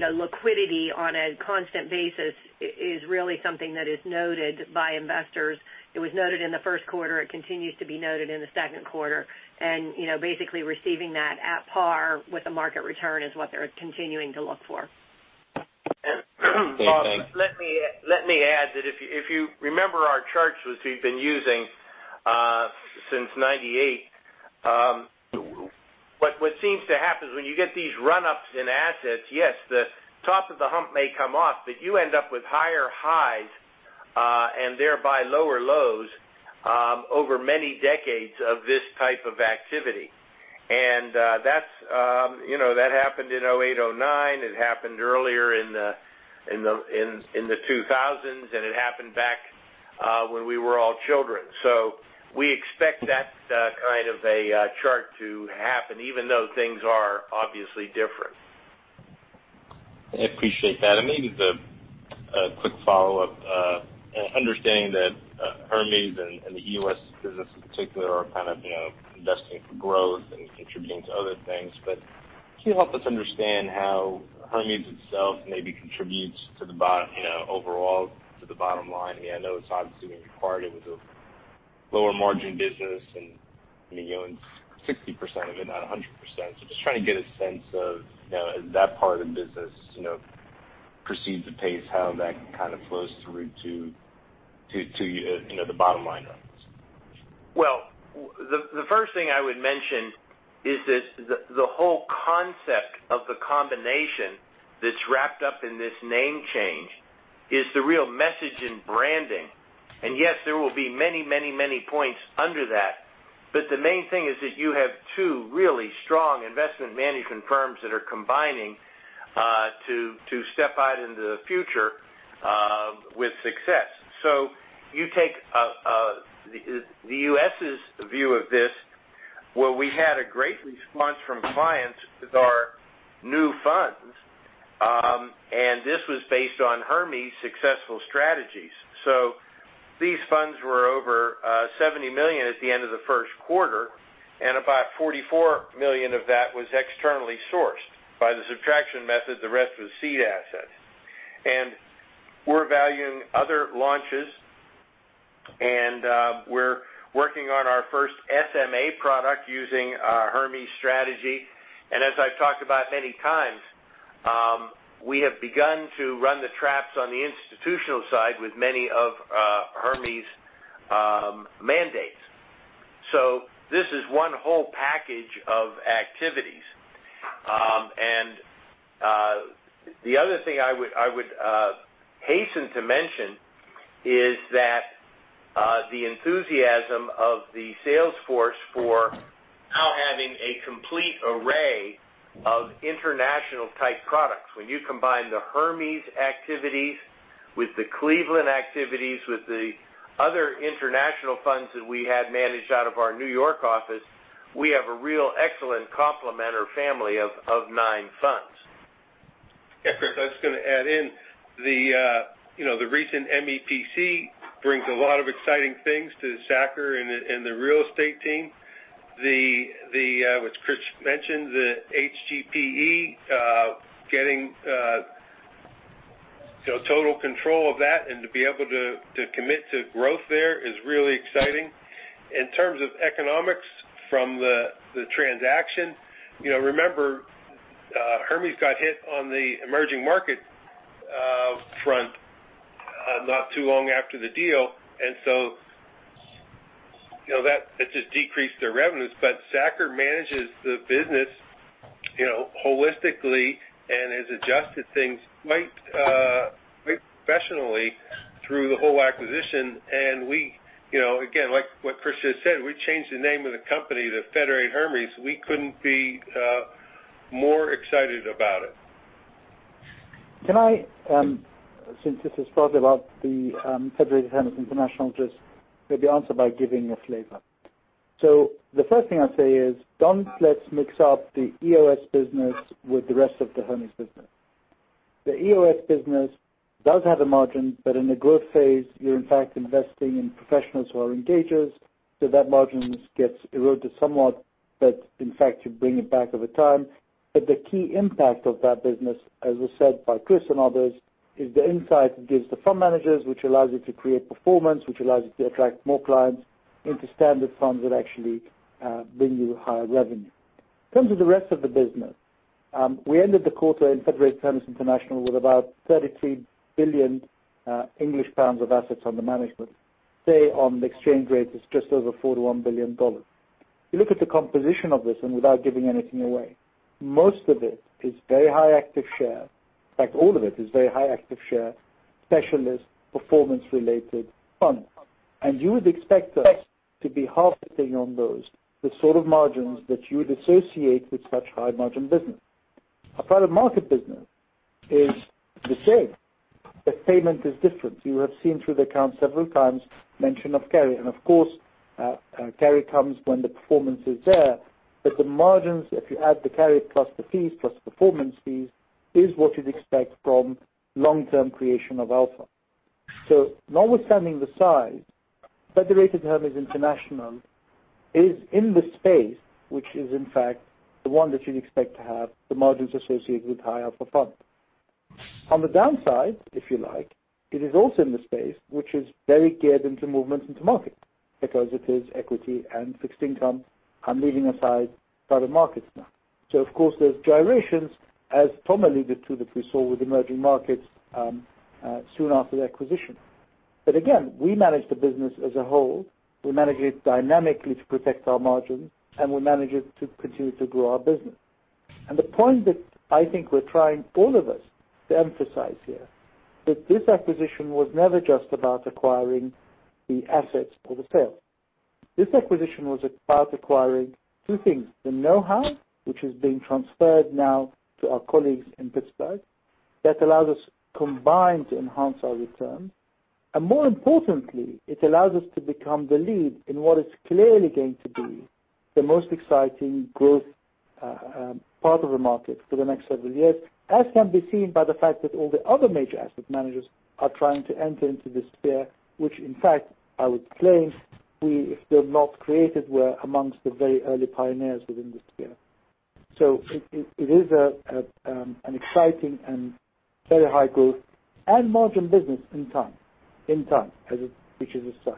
liquidity on a constant basis is really something that is noted by investors. It was noted in the first quarter. It continues to be noted in the second quarter. Basically receiving that at par with the market return is what they're continuing to look for. Debbie, thanks. Let me add that if you remember our charts, which we've been using since 1998. What seems to happen is when you get these run-ups in assets, yes, the top of the hump may come off, but you end up with higher highs, and thereby lower lows, over many decades of this type of activity. That happened in 2008, 2009. It happened earlier in the 2000s, and it happened back when we were all children. We expect that kind of a chart to happen, even though things are obviously different. I appreciate that. Maybe the quick follow-up, understanding that Hermes and the U.S. business in particular are kind of investing for growth and contributing to other things. Can you help us understand how Hermes itself maybe contributes overall to the bottom line? I know it's obviously going to be part. It was a lower margin business, and you own 60% of it, not 100%. Just trying to get a sense of that part of the business, proceeds and pace, how that kind of flows through to the bottom line runs. The first thing I would mention is that the whole concept of the combination that's wrapped up in this name change is the real message in branding. Yes, there will be many points under that. The main thing is that you have two really strong investment management firms that are combining to step out into the future with success. You take the U.S.'s view of this, where we had a great response from clients with our new funds, and this was based on Hermes' successful strategies. These funds were over $70 million at the end of the first quarter, and about $44 million of that was externally sourced. By the subtraction method, the rest was seed assets. We're valuing other launches, and we're working on our first SMA product using our Hermes strategy. As I've talked about many times, we have begun to run the traps on the institutional side with many of Hermes' mandates. This is one whole package of activities. The other thing I would hasten to mention is that the enthusiasm of the sales force for now having a complete array of international type products. When you combine the Hermes activities with the Cleveland activities, with the other international funds that we had managed out of our New York office, we have a real excellent complement or family of nine funds. Yeah, Chris, I was going to add in. The recent MEPC brings a lot of exciting things to Saker and the real estate team. What Chris mentioned, the HGPE, getting total control of that and to be able to commit to growth there is really exciting. In terms of economics from the transaction, remember Hermes got hit on the emerging market front not too long after the deal, and so that just decreased their revenues. Saker manages the business holistically and has adjusted things quite professionally. Through the whole acquisition. Again, like what Chris just said, we changed the name of the company to Federated Hermes. We couldn't be more excited about it. Since this is partly about the Federated Hermes International, just maybe answer by giving a flavor. The first thing I'll say is, don't let's mix up the EOS business with the rest of the Hermes business. The EOS business does have a margin, but in the growth phase, you're in fact investing in professionals who are engagers, so that margin gets eroded somewhat, but in fact, you bring it back over time. The key impact of that business, as was said by Chris and others, is the insight it gives the fund managers, which allows you to create performance, which allows you to attract more clients into standard funds that actually bring you higher revenue. In terms of the rest of the business, we ended the quarter in Federated Hermes International with about 33 billion pounds of assets under management. Today, on the exchange rate, it's just over $41 billion. You look at the composition of this, without giving anything away, most of it is very high active share. In fact, all of it is very high active share, specialist, performance-related funds. You would expect us to be harvesting on those the sort of margins that you would associate with such high-margin business. Our private market business is the same, but payment is different. You have seen through the account several times mention of carry, and of course, carry comes when the performance is there. The margins, if you add the carry plus the fees plus the performance fees, is what you'd expect from long-term creation of alpha. Notwithstanding the size, Federated Hermes International is in the space, which is in fact the one that you'd expect to have the margins associated with high alpha funds. On the downside, if you like, it is also in the space, which is very geared into movements into markets because it is equity and fixed income, I'm leaving aside private markets now. Of course, there's gyrations, as Tom alluded to, that we saw with emerging markets soon after the acquisition. Again, we manage the business as a whole. We manage it dynamically to protect our margin, and we manage it to continue to grow our business. The point that I think we're trying, all of us, to emphasize here, that this acquisition was never just about acquiring the assets or the sales. This acquisition was about acquiring two things, the know-how, which is being transferred now to our colleagues in Pittsburgh, that allows us combined to enhance our returns. More importantly, it allows us to become the lead in what is clearly going to be the most exciting growth part of the market for the next several years, as can be seen by the fact that all the other major asset managers are trying to enter into this sphere. Which in fact, I would claim we, if not created, were amongst the very early pioneers within this sphere. It is an exciting and very high growth and margin business in time. In time, as it reaches its size.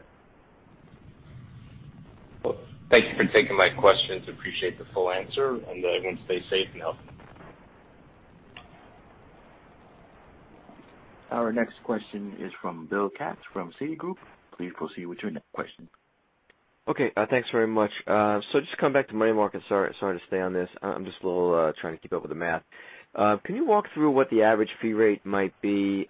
Well, thank you for taking my questions. Appreciate the full answer. Everyone stay safe and healthy. Our next question is from Bill Katz from Citigroup. Please proceed with your next question. Okay, thanks very much. Just come back to money markets. Sorry to stay on this. I'm just a little trying to keep up with the math. Can you walk through what the average fee rate might be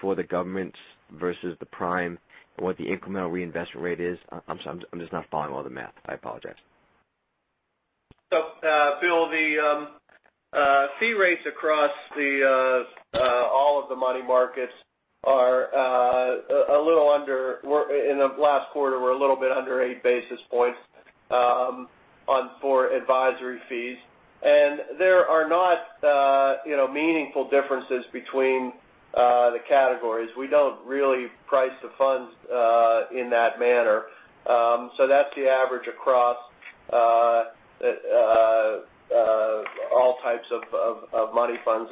for the government versus the prime, and what the incremental reinvestment rate is? I'm just not following all the math. I apologize. Bill, the fee rates across all of the money markets in the last quarter were a little bit under 8 basis points for advisory fees. There are not meaningful differences between the categories. We don't really price the funds in that manner. That's the average across all types of money funds.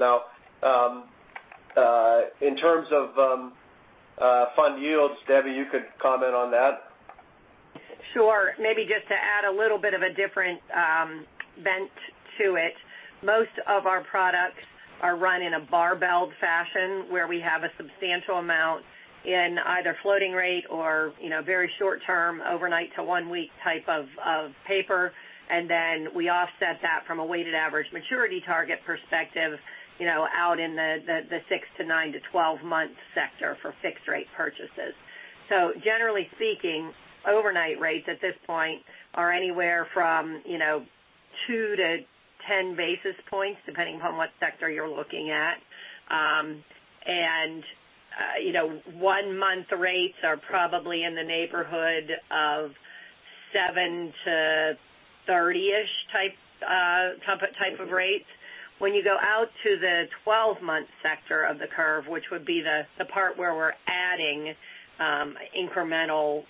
In terms of fund yields, Debbie, you could comment on that. Sure. Maybe just to add a little bit of a different bent to it. Most of our products are run in a barbell fashion, where we have a substantial amount in either floating rate or very short-term, overnight to one-week type of paper. We offset that from a weighted average maturity target perspective, out in the six to nine to 12-month sector for fixed rate purchases. Generally speaking, overnight rates at this point are anywhere from 2-10 basis points, depending upon what sector you're looking at. One-month rates are probably in the neighborhood of 7-30-ish type of rates. When you go out to the 12-month sector of the curve, which would be the part where we're adding incremental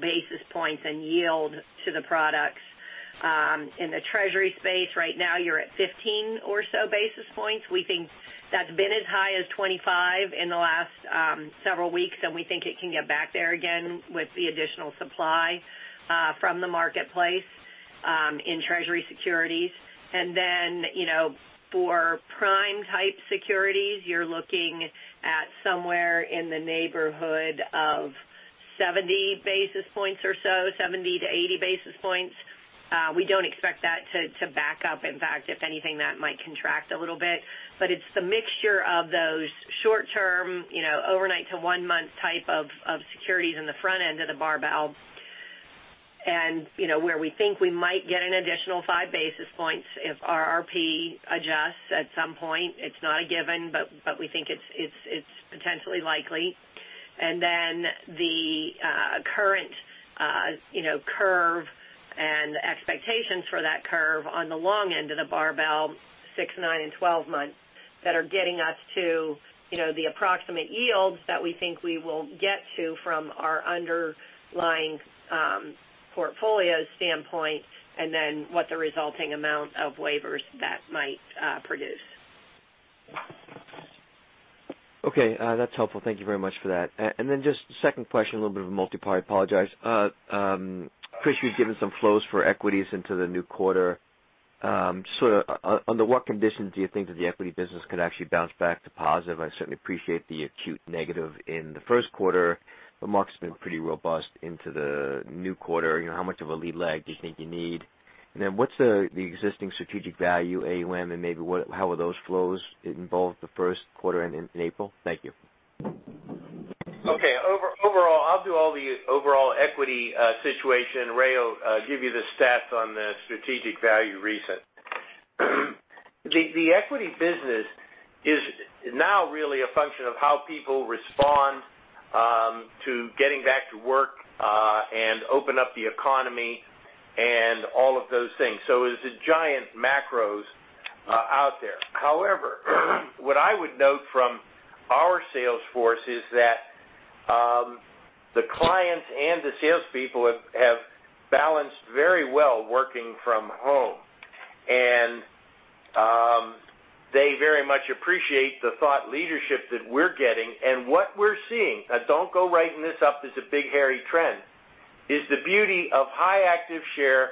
basis points and yield to the products. In the Treasury space right now, you're at 15 or so basis points. We think that's been as high as 25 in the last several weeks, and we think it can get back there again with the additional supply from the marketplace in Treasury securities. For prime type securities, you're looking at somewhere in the neighborhood of 70 basis points or so, 70-80 basis points. We don't expect that to back up. In fact, if anything, that might contract a little bit. It's the mixture of those short-term, overnight to one-month type of securities in the front end of the barbell. Where we think we might get an additional 5 basis points if RRP adjusts at some point. It's not a given, but we think it's potentially likely. The current curve and expectations for that curve on the long end of the barbell, six, nine, and 12 months, that are getting us to the approximate yields that we think we will get to from our underlying portfolio standpoint, and then what the resulting amount of waivers that might produce. Okay. That's helpful. Thank you very much for that. Then just second question, a little bit of a multi-part, apologize. Chris, you've given some flows for equities into the new quarter. Under what conditions do you think that the equity business could actually bounce back to positive? I certainly appreciate the acute negative in the first quarter, but market's been pretty robust into the new quarter. How much of a lead lag do you think you need? Then what's the existing strategic value, AUM, and maybe how are those flows involved the first quarter and in April? Thank you. Okay. Overall, I'll do all the overall equity situation. Ray'll give you the stats on the strategic value recent. The equity business is now really a function of how people respond to getting back to work, and open up the economy, and all of those things. It's the giant macros out there. However, what I would note from our sales force is that the clients and the salespeople have balanced very well working from home. They very much appreciate the thought leadership that we're getting. What we're seeing, now don't go writing this up as a big hairy trend, is the beauty of high active share,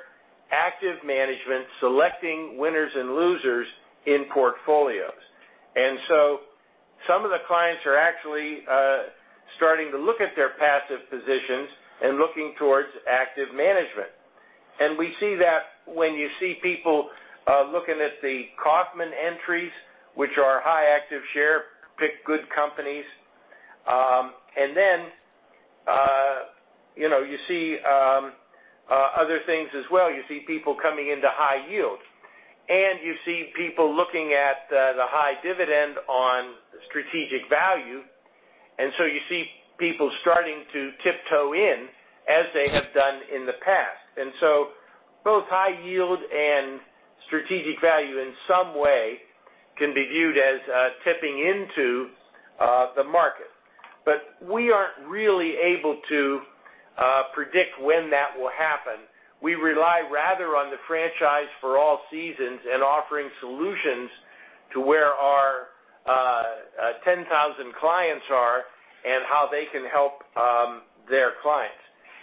active management selecting winners and losers in portfolios. Some of the clients are actually starting to look at their passive positions and looking towards active management. We see that when you see people looking at the Kaufmann entries, which are high active share, pick good companies. Then, you see other things as well. You see people coming into high yield. You see people looking at the high dividend on strategic value. So you see people starting to tiptoe in as they have done in the past. So both high yield and strategic value in some way can be viewed as tipping into the market. We aren't really able to predict when that will happen. We rely rather on the franchise for all seasons and offering solutions to where our 10,000 clients are and how they can help their clients.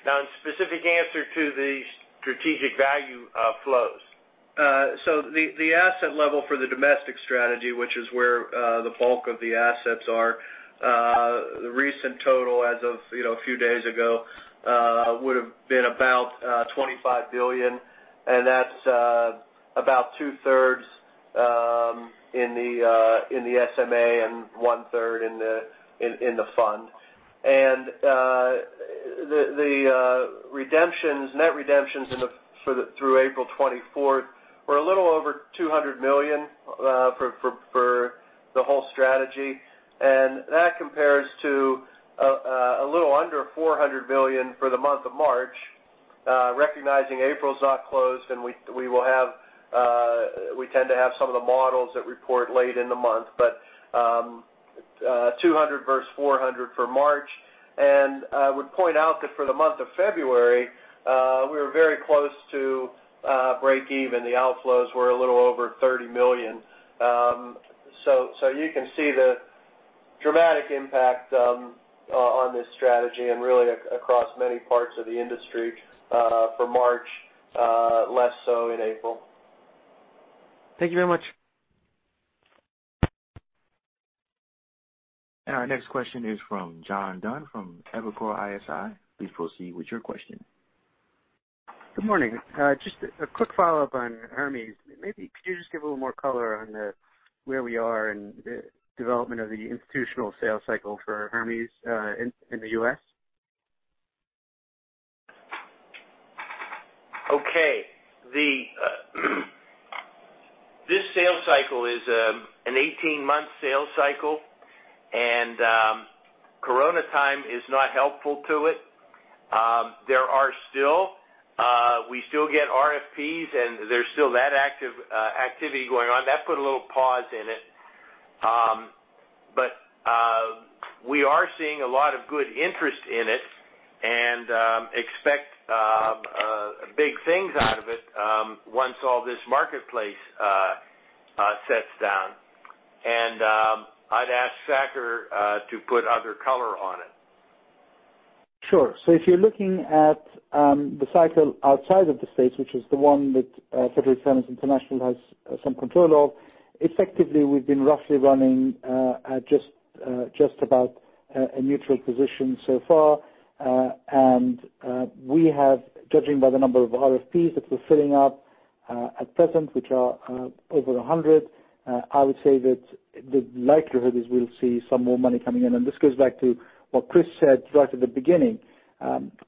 In specific answer to the strategic value flows. The asset level for the domestic strategy, which is where the bulk of the assets are, the recent total as of a few days ago, would've been about $25 billion, and that's about 2/3 in the SMA and 1/3 in the fund. The net redemptions through April 24th were a little over $200 million for the whole strategy. That compares to a little under $400 million for the month of March. Recognizing April's not closed, and we tend to have some of the models that report late in the month. $200 million versus $400 million for March. I would point out that for the month of February, we were very close to break even. The outflows were a little over $30 million. You can see the dramatic impact on this strategy and really across many parts of the industry for March, less so in April. Thank you very much. Our next question is from John Dunn from Evercore ISI. Please proceed with your question. Good morning. Just a quick follow-up on Hermes. Maybe could you just give a little more color on where we are in the development of the institutional sales cycle for Hermes in the U.S.? Okay. This sales cycle is an 18-month sales cycle, corona time is not helpful to it. We still get RFPs, there's still that activity going on. That put a little pause in it. We are seeing a lot of good interest in it and expect big things out of it once all this marketplace sets down. I'd ask Saker to put other color on it. Sure. If you're looking at the cycle outside of the U.S., which is the one that Federated Hermes International has some control of, effectively we've been roughly running at just about a neutral position so far. We have, judging by the number of RFPs that we're filling out at present, which are over 100. I would say that the likelihood is we'll see some more money coming in. This goes back to what Chris said right at the beginning.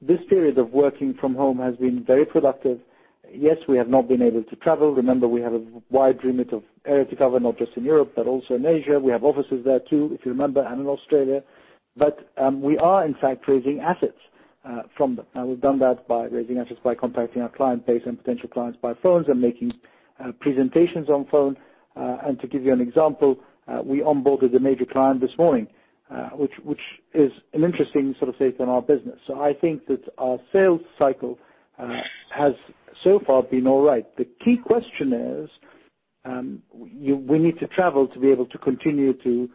This period of working from home has been very productive. Yes, we have not been able to travel. Remember, we have a wide remit of area to cover, not just in Europe but also in Asia. We have offices there too, if you remember, and in Australia. We are in fact raising assets from them. We've done that by raising assets, by contacting our client base and potential clients by phones and making presentations on phone. To give you an example, we onboarded a major client this morning, which is an interesting sort of take on our business. I think that our sales cycle has so far been all right. The key question is, we need to travel to be able to continue to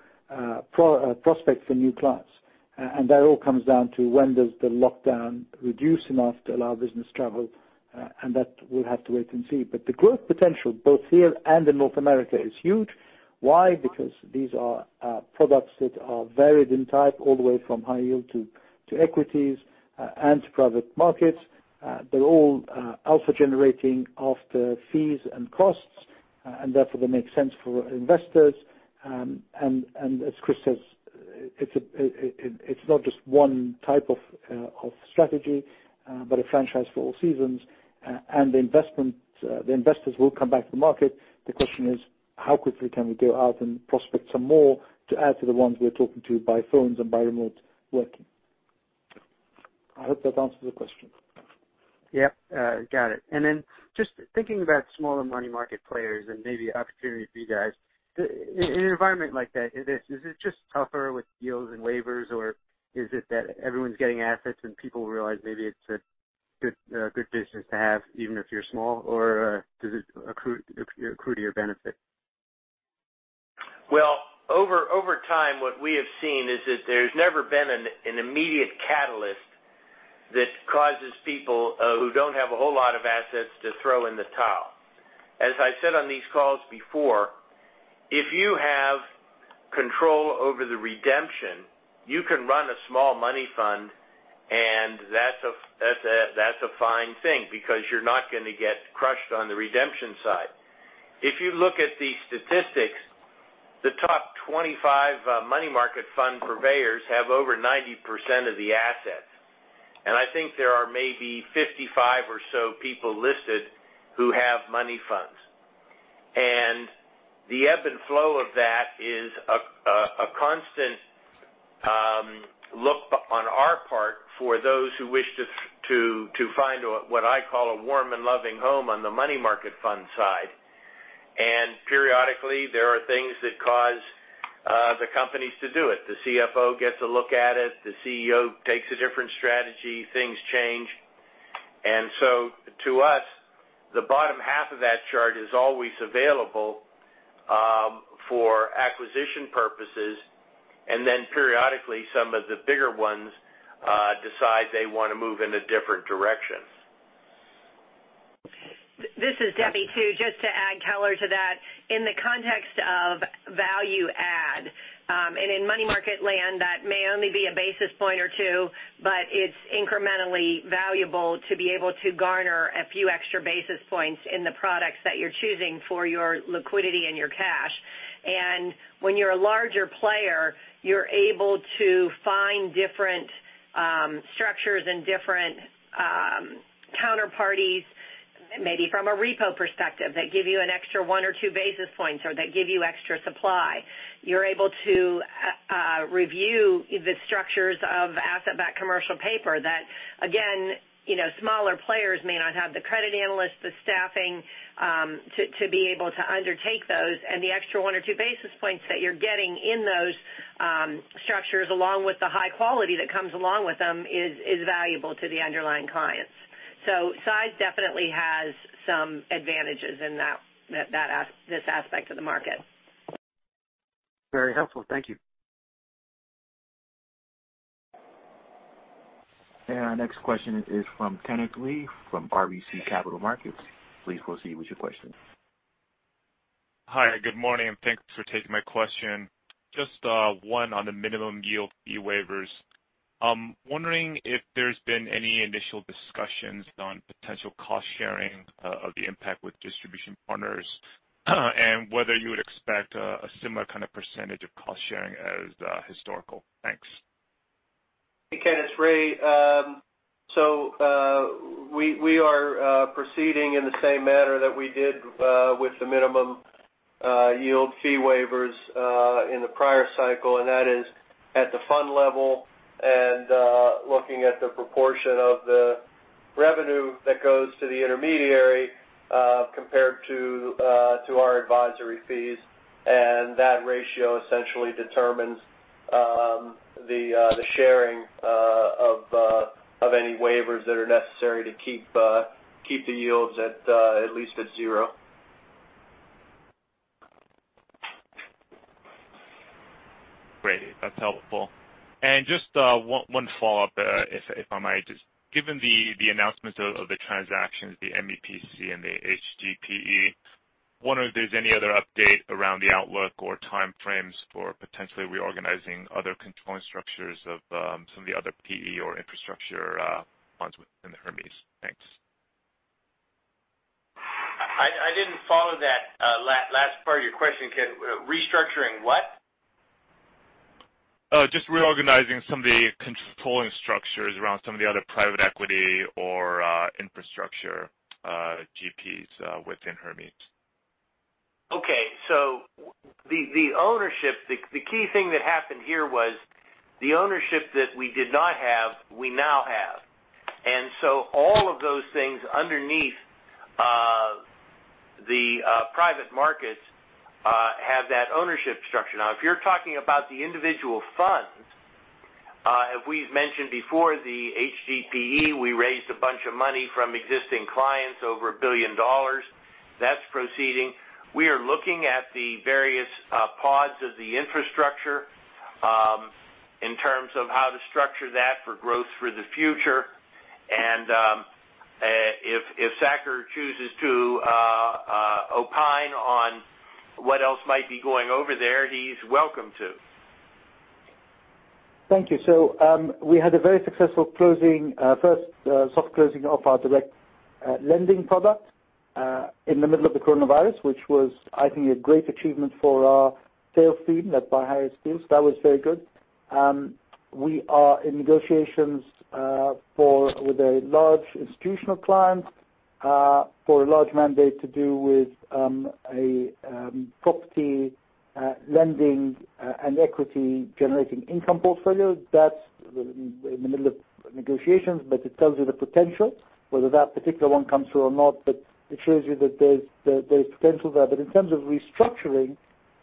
prospect for new clients. That all comes down to when does the lockdown reduce enough to allow business travel, and that we'll have to wait and see. The growth potential both here and in North America is huge. Why? Because these are products that are varied in type, all the way from high yield to equities and to private markets. They're all alpha generating after fees and costs, and therefore they make sense for investors. As Chris says, it's not just one type of strategy, but a franchise for all seasons. The investors will come back to the market. The question is, how quickly can we go out and prospect some more to add to the ones we're talking to by phones and by remote working. I hope that answers the question. Yep. Got it. Just thinking about smaller money market players and maybe opportunity for you guys. In an environment like that, is it just tougher with yields and waivers, or is it that everyone's getting assets and people realize maybe it's a good business to have, even if you're small, or does it accrue to your benefit? Well, over time, what we have seen is that there's never been an immediate catalyst that causes people who don't have a whole lot of assets to throw in the towel. As I said on these calls before, if you have control over the redemption, you can run a small money fund, and that's a fine thing because you're not going to get crushed on the redemption side. If you look at the statistics, the top 25 money market fund purveyors have over 90% of the assets. I think there are maybe 55 or so people listed who have money funds. The ebb and flow of that is a constant look on our part for those who wish to find what I call a warm and loving home on the money market fund side. Periodically, there are things that cause the companies to do it. The CFO gets a look at it. The CEO takes a different strategy. Things change. To us, the bottom half of that chart is always available for acquisition purposes. Periodically some of the bigger ones decide they want to move in a different direction. This is Debbie, too. Just to add color to that. In the context of value add, and in money market land, that may only be a basis point or two, but it's incrementally valuable to be able to garner a few extra basis points in the products that you're choosing for your liquidity and your cash. When you're a larger player, you're able to find different structures and different counterparties, maybe from a repo perspective, that give you an extra 1 or 2 basis points or that give you extra supply. You're able to review the structures of asset-backed commercial paper that, again, smaller players may not have the credit analysts, the staffing to be able to undertake those. The extra 1 or 2 basis points that you're getting in those structures, along with the high quality that comes along with them, is valuable to the underlying clients. Size definitely has some advantages in this aspect of the market. Very helpful. Thank you. Our next question is from Kenneth Lee from RBC Capital Markets. Please go ahead with your question. Hi. Good morning. Thanks for taking my question. Just one on the minimum yield fee waivers. I'm wondering if there's been any initial discussions on potential cost sharing of the impact with distribution partners and whether you would expect a similar kind of percentage of cost sharing as historical. Thanks. Hey, Kenneth. Ray. We are proceeding in the same manner that we did with the minimum yield fee waivers in the prior cycle, that is at the fund level and looking at the proportion of the revenue that goes to the intermediary compared to our advisory fees. That ratio essentially determines the sharing of any waivers that are necessary to keep the yields at least at zero. Great. That's helpful. Just one follow-up, if I might. Just given the announcements of the transactions, the MEPC and the HGPE. Wonder if there's any other update around the outlook or timeframes for potentially reorganizing other controlling structures of some of the other PE or infrastructure funds within Hermes. Thanks. I didn't follow that last part of your question. Restructuring what? Just reorganizing some of the controlling structures around some of the other private equity or infrastructure GPs within Hermes. Okay. The key thing that happened here was the ownership that we did not have, we now have. All of those things underneath the private markets have that ownership structure. Now, if you're talking about the individual funds, as we've mentioned before, the HGPE, we raised a bunch of money from existing clients, over $1 billion. That's proceeding. We are looking at the various pods of the infrastructure in terms of how to structure that for growth for the future. If Saker chooses to opine on what else might be going over there, he's welcome to. Thank you. We had a very successful first soft closing of our direct lending product in the middle of the coronavirus, which was, I think, a great achievement for our sales team, led by Harris Fields. That was very good. We are in negotiations with a large institutional client for a large mandate to do with a property lending and equity-generating income portfolio. That's in the middle of negotiations, it tells you the potential. Whether that particular one comes through or not, it shows you that there's potential there. In terms of restructuring,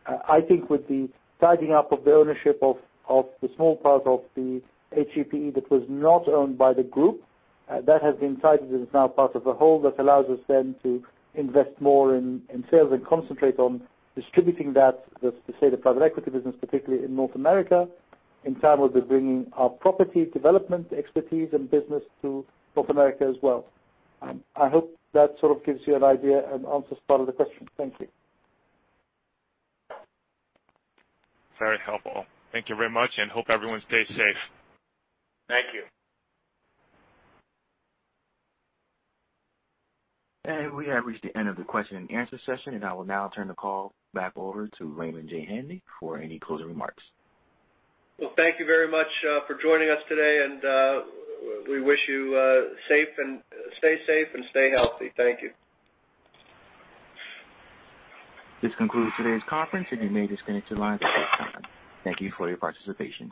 I think with the tidying up of the ownership of the small part of the HGPE that was not owned by the group, that has been tidied, and is now part of the whole. That allows us to invest more in sales and concentrate on distributing that, say, the private equity business, particularly in North America. In time, we'll be bringing our property development expertise and business to North America as well. I hope that sort of gives you an idea and answers part of the question. Thank you. Very helpful. Thank you very much. Hope everyone stays safe. Thank you. We have reached the end of the question and answer session, and I will now turn the call back over to Raymond J. Hanley for any closing remarks. Well, thank you very much for joining us today. We wish you stay safe and stay healthy. Thank you. This concludes today's conference, and you may disconnect your lines at this time. Thank you for your participation.